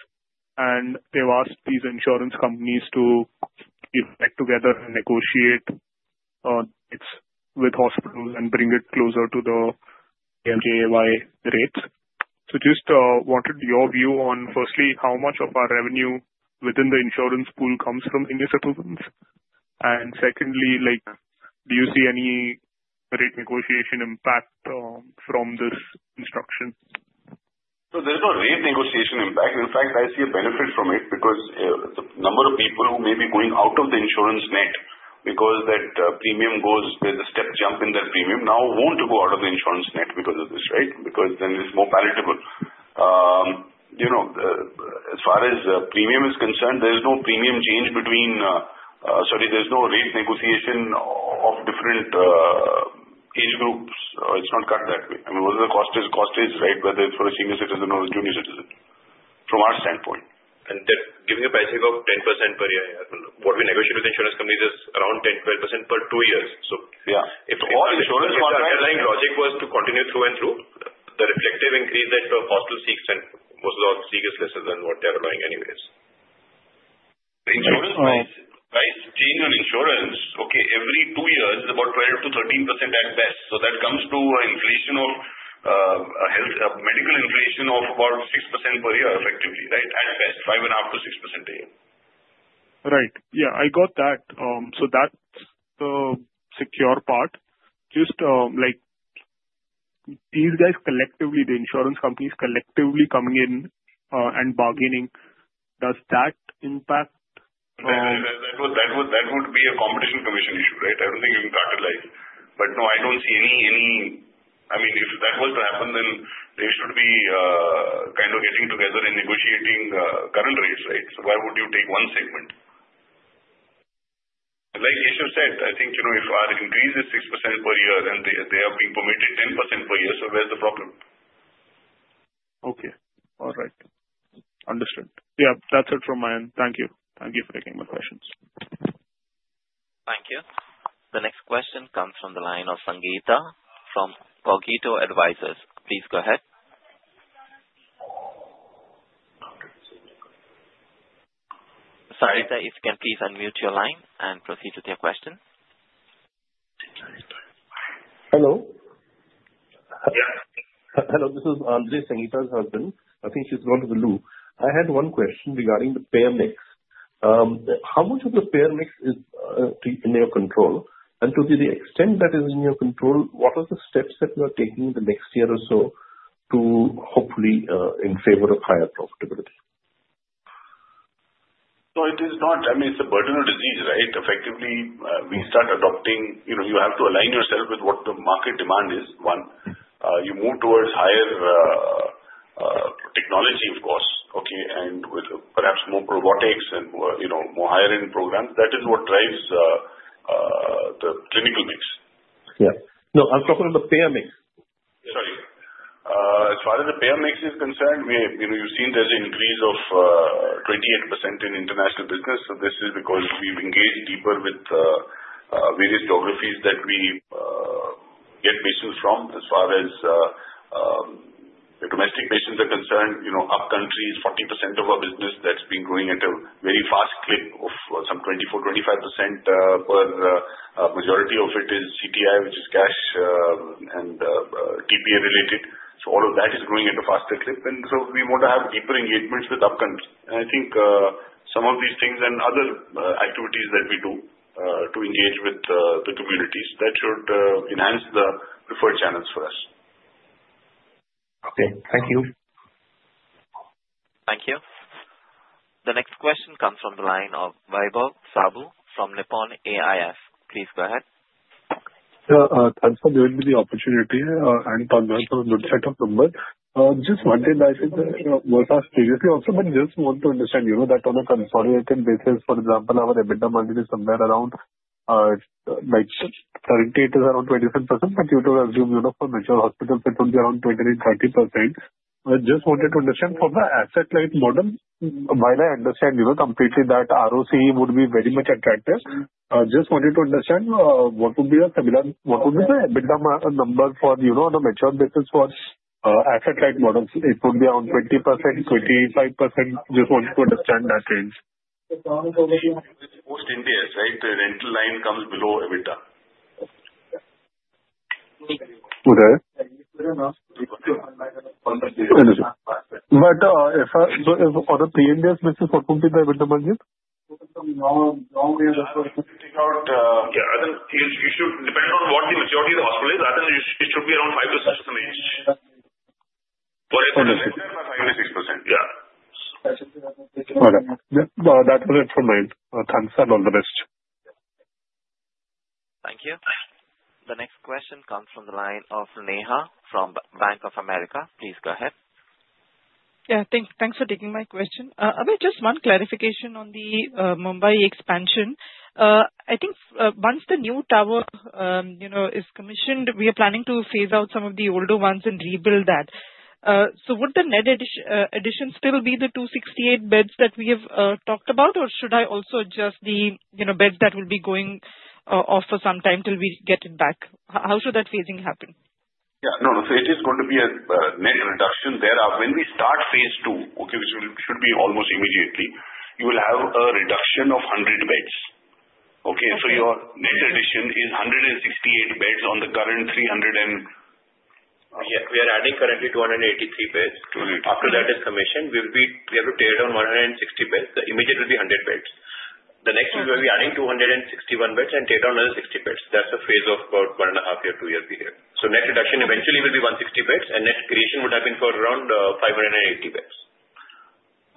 F: And they've asked these insurance companies to get together and negotiate rates with hospitals and bring it closer to the PMJAY rates. So just wanted your view on, firstly, how much of our revenue within the insurance pool comes from senior citizens? And secondly, do you see any rate negotiation impact from this instruction?
E: So there's no rate negotiation impact. In fact, I see a benefit from it because the number of people who may be going out of the insurance net because that premium goes with the step jump in their premium now won't go out of the insurance net because of this, right? Because then it's more palatable. As far as premium is concerned, there is no premium change between sorry, there's no rate negotiation of different age groups. It's not cut that way. I mean, whether the cost is, right, whether it's for a senior citizen or a junior citizen from our standpoint. Giving a price hike of 10% per year, what we negotiate with insurance companies is around 10-12% per two years. So if all insurance contracts are aligned, logic was to continue through and through. The reflective increase that hospital seeks and most of the hospital seek is lesser than what they are allowing anyways. Insurance price change on insurance, okay, every two years, it's about 12-13% at best. So that comes to a medical inflation of about 6% per year, effectively, right? At best, 5.5-6% a year.
F: Right. Yeah. I got that. So that's the secure part. Just these guys collectively, the insurance companies collectively coming in and bargaining, does that impact?
E: That would be a competition commission issue, right? I don't think you can cartelize. But no, I don't see any. I mean, if that was to happen, then they should be kind of getting together and negotiating current rates, right? So why would you take one segment? Like Rishi said, I think if our increase is 6% per year and they are being permitted 10% per year, so where's the problem?
F: Okay. All right. Understood. Yeah. That's it from my end. Thank you. Thank you for taking my questions.
A: Thank you. The next question comes from the line of Sangeeta from Cogito Advisors. Please go ahead. Sangeeta, if you can please unmute your line and procedures with your question.
H: Hello.
E: Yeah.
I: Hello. This is Andre Sangeeta's husband. I think she's going to the loo. I had one question regarding the payer mix. How much of the payer mix is in your control? And to the extent that is in your control, what are the steps that you are taking in the next year or so to hopefully in favor of higher profitability?
C: So it is not, I mean, it's a burden of disease, right? Effectively, we start adopting. You have to align yourself with what the market demand is, one. You move towards higher technology, of course, okay, and with perhaps more robotics and more higher-end programs. That is what drives the clinical mix.
I: Yeah. No, I'm talking about the payer mix.
C: Sorry. As far as the payer mix is concerned, you've seen there's an increase of 28% in international business. So this is because we've engaged deeper with various geographies that we get patients from. As far as domestic patients are concerned, upcountry is 40% of our business that's been growing at a very fast clip of some 24-25%. But majority of it is CTI, which is cash and TPA related. So all of that is growing at a faster clip. And so we want to have deeper engagements with upcountry. And I think some of these things and other activities that we do to engage with the communities, that should enhance the preferred channels for us.
I: Okay. Thank you.
A: Thank you. The next question comes from the line of Vaibhav Sabu from Nippon India AIF. Please go ahead.
J: Thanks for giving me the opportunity and congrats on the good setup, numbers. Just one thing, I think that was asked previously also, but just want to understand. You know that on a consolidated basis, for example, our EBITDA monthly is somewhere around 78 to around 27%, but you would assume for major hospitals, it would be around 29%-30%. I just wanted to understand from the asset-light model, while I understand completely that ROCE would be very much attractive, I just wanted to understand what would be the similar what would be the EBITDA number on a mature basis for asset-light models? It would be around 20%-25%. Just wanted to understand that range.
C: Most India is, right? The rental line comes below EBITDA.
K: Okay, but if other PMJAY mixes, what would be the EBITDA margin?
E: Yeah. I think it should depend on what the maturity of the hospital is. I think it should be around 5%-6% range. Or it could be 5%-6%. Yeah.
J: All right. That was it from my end. Thanks and all the best.
A: Thank you. The next question comes from the line of Neha from Bank of America. Please go ahead.
L: Yeah. Thanks for taking my question. Just one clarification on the Mumbai expansion. I think once the new tower is commissioned, we are planning to phase out some of the older ones and rebuild that. So would the net addition still be the 268 beds that we have talked about, or should I also adjust the beds that will be going off for some time till we get it back? How should that phasing happen?
C: Yeah. No, no. So it is going to be a net reduction there. When we start phase II, okay, which should be almost immediately, you will have a reduction of 100 beds. Okay? So your net addition is 168 beds on the current 300 and.
E: Yeah. We are adding currently 283 beds. After that is commissioned, we have to take down 160 beds. Immediately 100 beds. The next is we'll be adding 261 beds and take down another 60 beds. That's a phase of about one and a half year, two years behind. So net reduction eventually will be 160 beds, and net creation would have been for around 580 beds.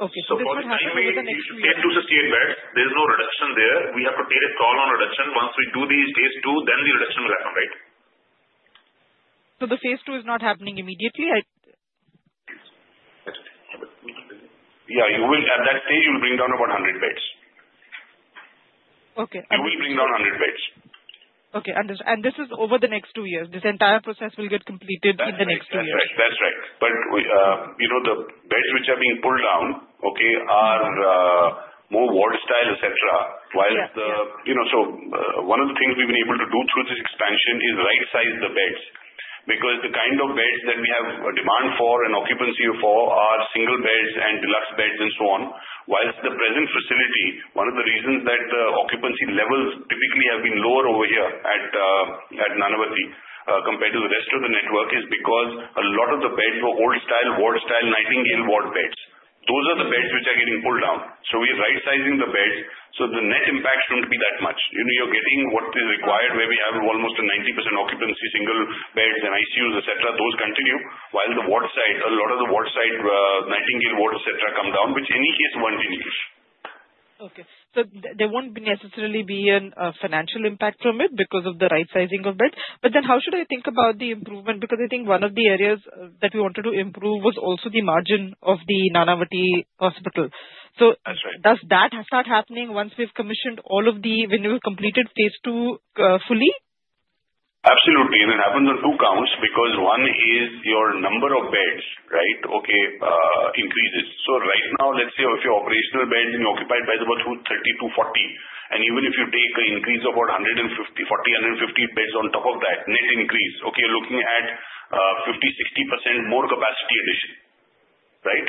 L: Okay, so what would happen with the next phase?
E: Take 268 beds. There is no reduction there. We have to take a call on reduction. Once we do the phase II, then the reduction will happen, right?
L: So the phase II is not happening immediately, right?
E: Yeah. At that stage, we'll bring down about 100 beds.
L: Okay. And.
E: We'll bring down 100 beds.
L: Okay. And this is over the next two years? This entire process will get completed in the next two years?
C: That's right. That's right. But the beds which are being pulled down, okay, are more ward-style, etc., while, so one of the things we've been able to do through this expansion is right-size the beds because the kind of beds that we have a demand for and occupancy for are single beds and deluxe beds and so on. While the present facility, one of the reasons that the occupancy levels typically have been lower over here at Nanavati compared to the rest of the network is because a lot of the beds were old-style, ward-style, Nightingale ward beds. Those are the beds which are getting pulled down. So we are right-sizing the beds. So the net impact shouldn't be that much. You're getting what is required where we have almost 90% occupancy, single beds and ICUs, etc. Those continue, while the ward side, a lot of the ward side, Nightingale ward, etc., come down, which in any case won't be new.
L: Okay. So there won't necessarily be a financial impact from it because of the right-sizing of beds. But then how should I think about the improvement? Because I think one of the areas that we wanted to improve was also the margin of the Nanavati hospital. So does that start happening once we've commissioned all of the, when we've completed phase II fully?
C: Absolutely, and it happens on two counts because one is your number of beds, right? Okay, increases, so right now, let's say if your operational beds and you're occupied by about 30-40%. And even if you take an increase of about 150, 40, 150 beds on top of that, net increase, okay, you're looking at 50-60% more capacity addition, right,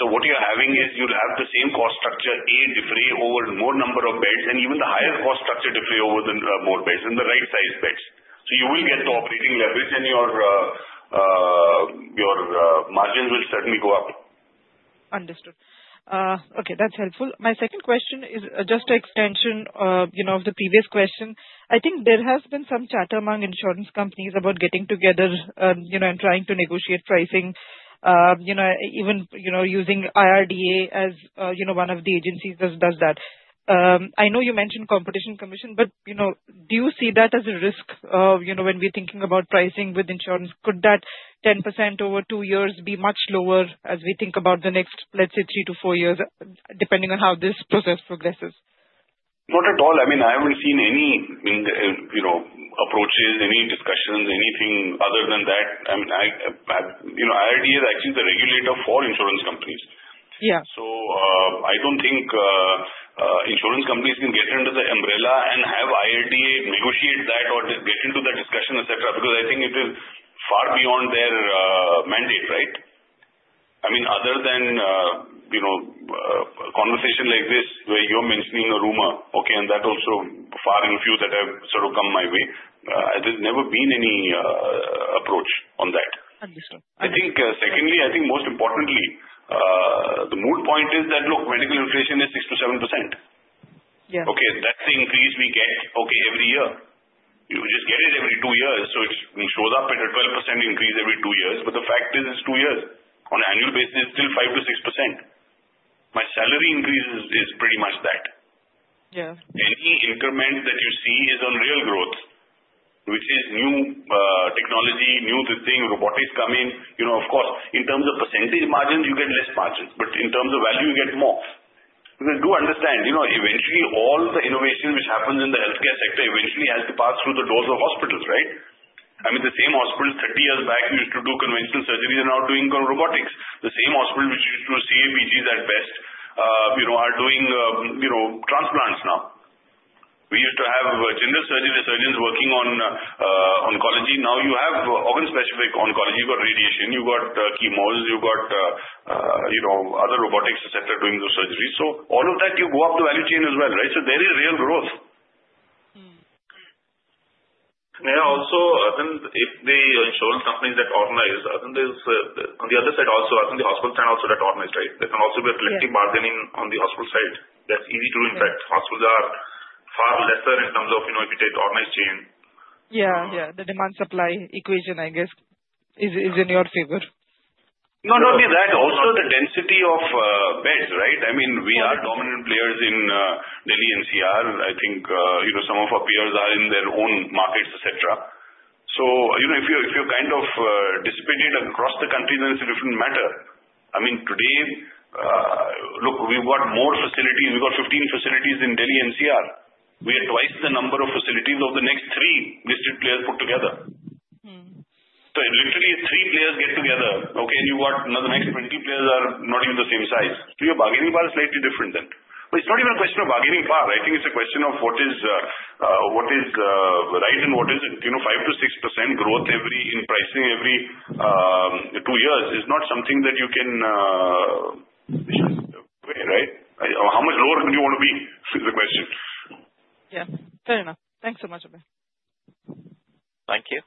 C: so what you're having is you'll have the same cost structure a spread over more number of beds and even the higher cost structure spread over the more beds and the right-sized beds, so you will get the operating leverage and your margins will certainly go up.
L: Understood. Okay. That's helpful. My second question is just an extension of the previous question. I think there has been some chatter among insurance companies about getting together and trying to negotiate pricing, even using IRDAI as one of the agencies that does that. I know you mentioned competition commission, but do you see that as a risk when we're thinking about pricing with insurance? Could that 10% over two years be much lower as we think about the next, let's say, three to four years, depending on how this process progresses?
C: Not at all. I mean, I haven't seen any approaches, any discussions, anything other than that. I mean, IRDAI is actually the regulator for insurance companies. So I don't think insurance companies can get under the umbrella and have IRDAI negotiate that or get into that discussion, etc., because I think it is far beyond their mandate, right? I mean, other than a conversation like this where you're mentioning a rumor, okay, and that also, far and few that have sort of come my way, there's never been any approach on that.
L: Understood.
C: I think secondly, I think most importantly, the main point is that, look, medical inflation is 6%-7%. Okay? That's the increase we get, okay, every year. You just get it every two years. So it shows up at a 12% increase every two years. But the fact is it's two years. On an annual basis, it's still 5%-6%. My salary increase is pretty much that. Any increment that you see is on real growth, which is new technology, new thing, robotics come in. Of course, in terms of percentage margins, you get less margins. But in terms of value, you get more. Because do understand, eventually all the innovation which happens in the healthcare sector eventually has to pass through the doors of hospitals, right? I mean, the same hospitals 30 years back used to do conventional surgeries are now doing robotics. The same hospitals which used to do proceed at best are doing transplants now. We used to have general surgery surgeons working on oncology. Now you have organ-specific oncology. You've got radiation. You've got chemos. You've got other robotics, etc., doing those surgeries. So all of that, you go up the value chain as well, right? So there is real growth. And also, I think if the insurance companies that organize, I think there's on the other side also, I think the hospitals can also get organized, right? There can also be a collective bargaining on the hospital side. That's easy to do, in fact. Hospitals are far lesser in terms of if you take the organized chain.
L: Yeah. Yeah. The demand-supply equation, I guess, is in your favor.
C: No, no. I mean, that also the density of beds, right? I mean, we are dominant players in Delhi NCR. I think some of our peers are in their own markets, etc. So if you're kind of dispersed across the country, then it's a different matter. I mean, today, look, we've got more facilities. We've got 15 facilities in Delhi NCR. We are twice the number of facilities of the next three distinct players put together. So literally, three players get together, okay, and the next 20 players are not even the same size. So your bargaining power is slightly different than. But it's not even a question of bargaining power. I think it's a question of what is right and what isn't. 5%-6% growth in pricing every two years is not something that you can win, right? How much lower do you want to be is the question.
L: Yeah. Fair enough. Thanks so much, Abhay.
A: Thank you.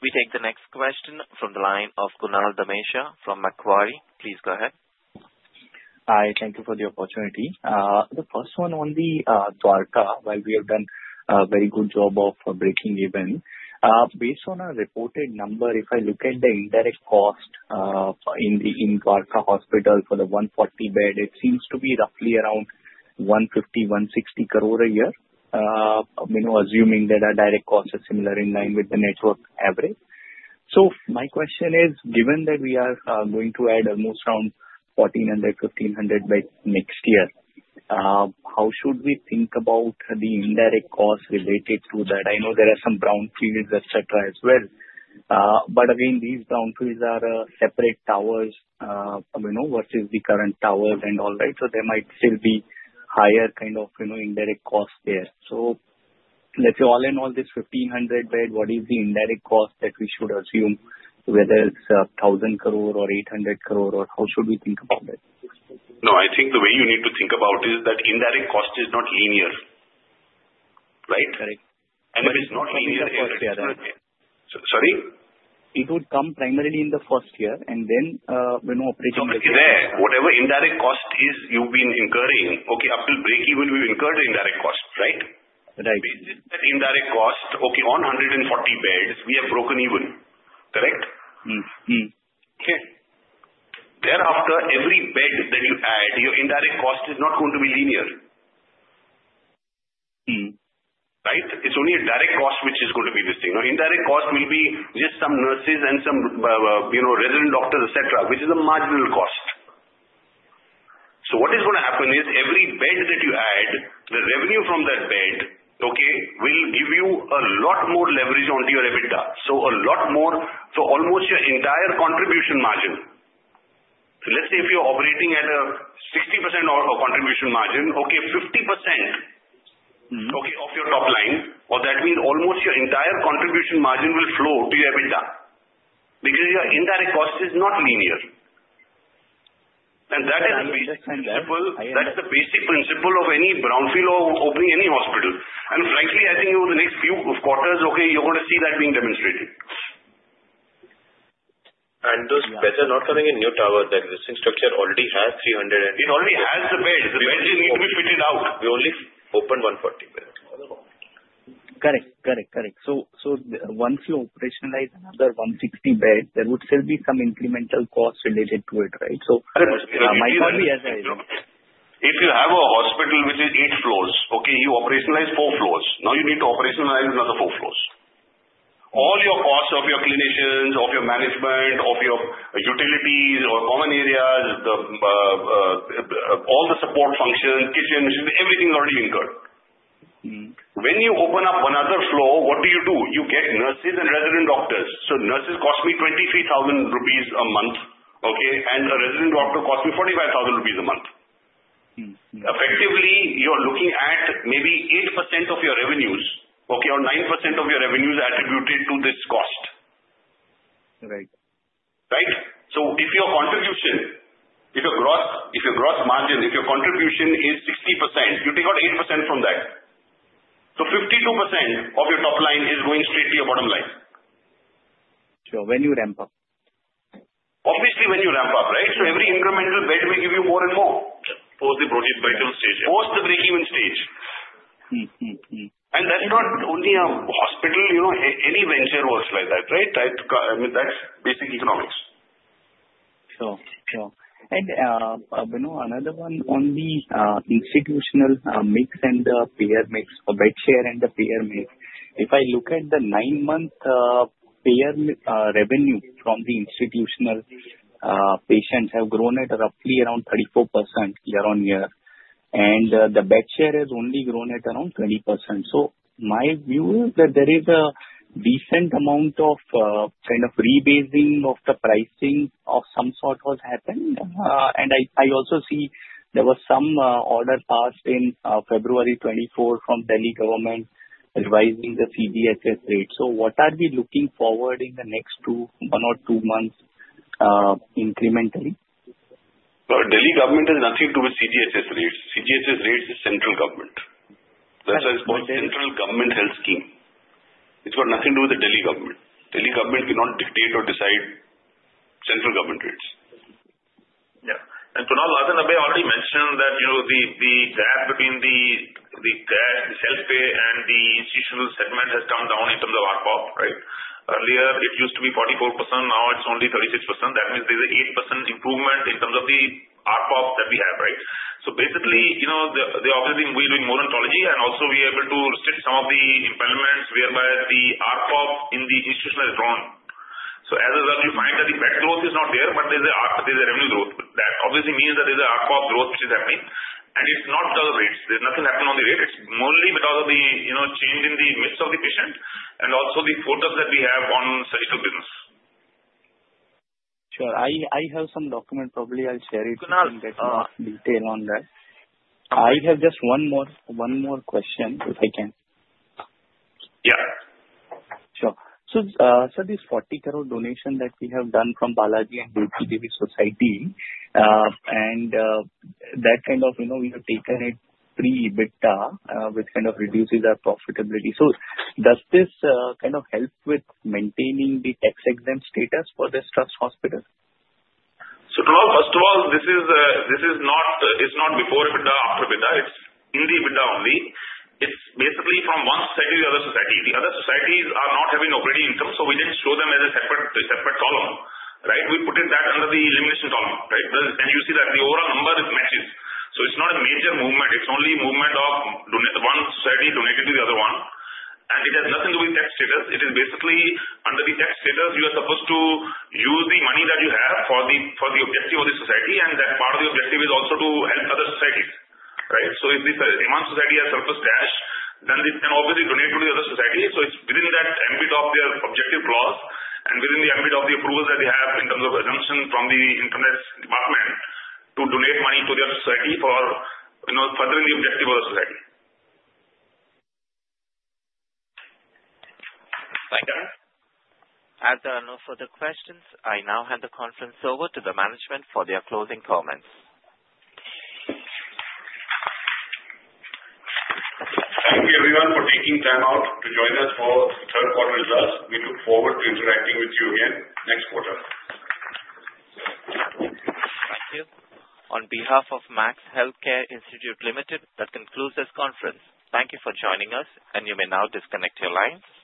A: We take the next question from the line of Kunal Damesha from Macquarie. Please go ahead.
M: Hi. Thank you for the opportunity. The first one on the Dwarka, while we have done a very good job of breaking even, based on our reported number, if I look at the indirect cost in Dwarka Hospital for the 140-bed, it seems to be roughly around 150-160 crore a year, assuming that our direct costs are similar in line with the network average. So my question is, given that we are going to add almost around 1,400-1,500 beds next year, how should we think about the indirect costs related to that? I know there are some brownfields, etc., as well. But again, these brownfields are separate towers versus the current towers and all, right? So there might still be higher kind of indirect costs there. So let's say all in all, this 1,500-bed, what is the indirect cost that we should assume, whether it's 1,000 crore or 800 crore, or how should we think about it?
C: No, I think the way you need to think about it is that indirect cost is not linear, right?
M: Correct.
C: And if it's not linear, it's, sorry?
M: It would come primarily in the first year, and then operating budget.
C: So there, whatever indirect cost is you've been incurring, okay, up to break even, we've incurred indirect costs, right?
M: Right.
C: Based on that indirect cost, okay, on 140 beds, we have broken even, correct?
M: Mm-hmm.
C: Okay. Thereafter, every bed that you add, your indirect cost is not going to be linear, right? It's only a direct cost which is going to be missing. Now, indirect cost will be just some nurses and some resident doctors, etc., which is a marginal cost. So what is going to happen is every bed that you add, the revenue from that bed, okay, will give you a lot more leverage onto your EBITDA. So a lot more for almost your entire contribution margin. So let's say if you're operating at a 60% contribution margin, okay, 50%, okay, of your top line, or that means almost your entire contribution margin will flow to your EBITDA because your indirect cost is not linear. And that is the basic principle of any brownfield or opening any hospital. Frankly, I think over the next few quarters, okay, you're going to see that being demonstrated.
M: Those beds are not coming in new towers. The existing structure already has 300 and...
C: It already has the beds. The beds need to be fitted out. We only opened 140 beds.
M: Correct. So once you operationalize another 160 beds, there would still be some incremental costs related to it, right? So my point is.
C: If you have a hospital which is eight floors, okay, you operationalize four floors. Now you need to operationalize another four floors. All your costs of your clinicians, of your management, of your utilities, of common areas, all the support functions, kitchen, everything is already incurred. When you open up another floor, what do you do? You get nurses and resident doctors. So nurses cost me 23,000 rupees a month, okay, and a resident doctor costs me 45,000 rupees a month. Effectively, you're looking at maybe 8% of your revenues, okay, or 9% of your revenues attributed to this cost, right? So if your contribution, if your gross margin, if your contribution is 60%, you take out 8% from that. So 52% of your top line is going straight to your bottom line.
M: Sure. When you ramp up?
C: Obviously, when you ramp up, right? So every incremental bed will give you more and more.
E: Post the break-even stage.
C: Post the break-even stage. And that's not only a hospital. Any venture works like that, right? I mean, that's basic economics.
M: Sure. Sure. And another one on the institutional mix and the payer mix or bed share and the payer mix. If I look at the nine-month payer revenue from the institutional patients, it has grown at roughly around 34% year on year. And the bed share has only grown at around 20%. So my view is that there is a decent amount of kind of rebasing of the pricing of some sort was happened. And I also see there was some order passed in February 2024 from Delhi government advising the CGHS rate. So what are we looking forward in the next one or two months incrementally?
E: Delhi government has nothing to do with CGHS rates. CGHS rates is central government. That's why it's called Central Government Health Scheme. It's got nothing to do with the Delhi government. Delhi government cannot dictate or decide central government rates.
C: Yeah. And Kunal Damesha already mentioned that the gap between the cash, the self-pay, and the institutional segment has come down in terms of ARPOB, right? Earlier, it used to be 44%. Now it's only 36%. That means there's an 8% improvement in terms of the ARPOB that we have, right? So basically, obviously, we're doing more oncology. And also, we are able to restrict some of the impediments whereby the ARPOB in the institutional has grown. So as a result, you find that the bed growth is not there, but there's a revenue growth. That obviously means that there's an ARPOB growth which is happening. And it's not because of rates. There's nothing happening on the rates. It's mainly because of the change in the mix of the patient and also the focus that we have on surgical business.
M: Sure. I have some documents. Probably I'll share it. I'll get more detail on that. I have just one more question, if I can.
E: Yeah.
M: Sure. So this 40 crore donation that we have done from Balaji and Devki Devi Society, and that kind of we have taken it pre-EBITDA, which kind of reduces our profitability. So does this kind of help with maintaining the tax-exempt status for the trust hospitals?
E: So first of all, this is not before EBITDA, after EBITDA. It's in the EBITDA only. It's basically from one society to the other society. The other societies are not having operating income, so we didn't show them as a separate column, right? We put that under the elimination column, right? And you see that the overall number matches. So it's not a major movement. It's only a movement of one society donating to the other one. And it has nothing to do with tax status. It is basically under the tax status, you are supposed to use the money that you have for the objective of the society, and that part of the objective is also to help other societies, right? So if the one society has surplus cash, then they can obviously donate to the other society. It's within that ambit of their objective clause and within the ambit of the approvals that they have in terms of exemption from the Income Tax Department to donate money to their society for furthering the objective of the society.
M: Thank you.
A: As there are no further questions, I now hand the conference over to the management for their closing comments.
C: Thank you, everyone, for taking time out to join us for the third-quarter results. We look forward to interacting with you again next quarter.
A: Thank you. On behalf of Max Healthcare Institute Limited, that concludes this conference. Thank you for joining us, and you may now disconnect your lines.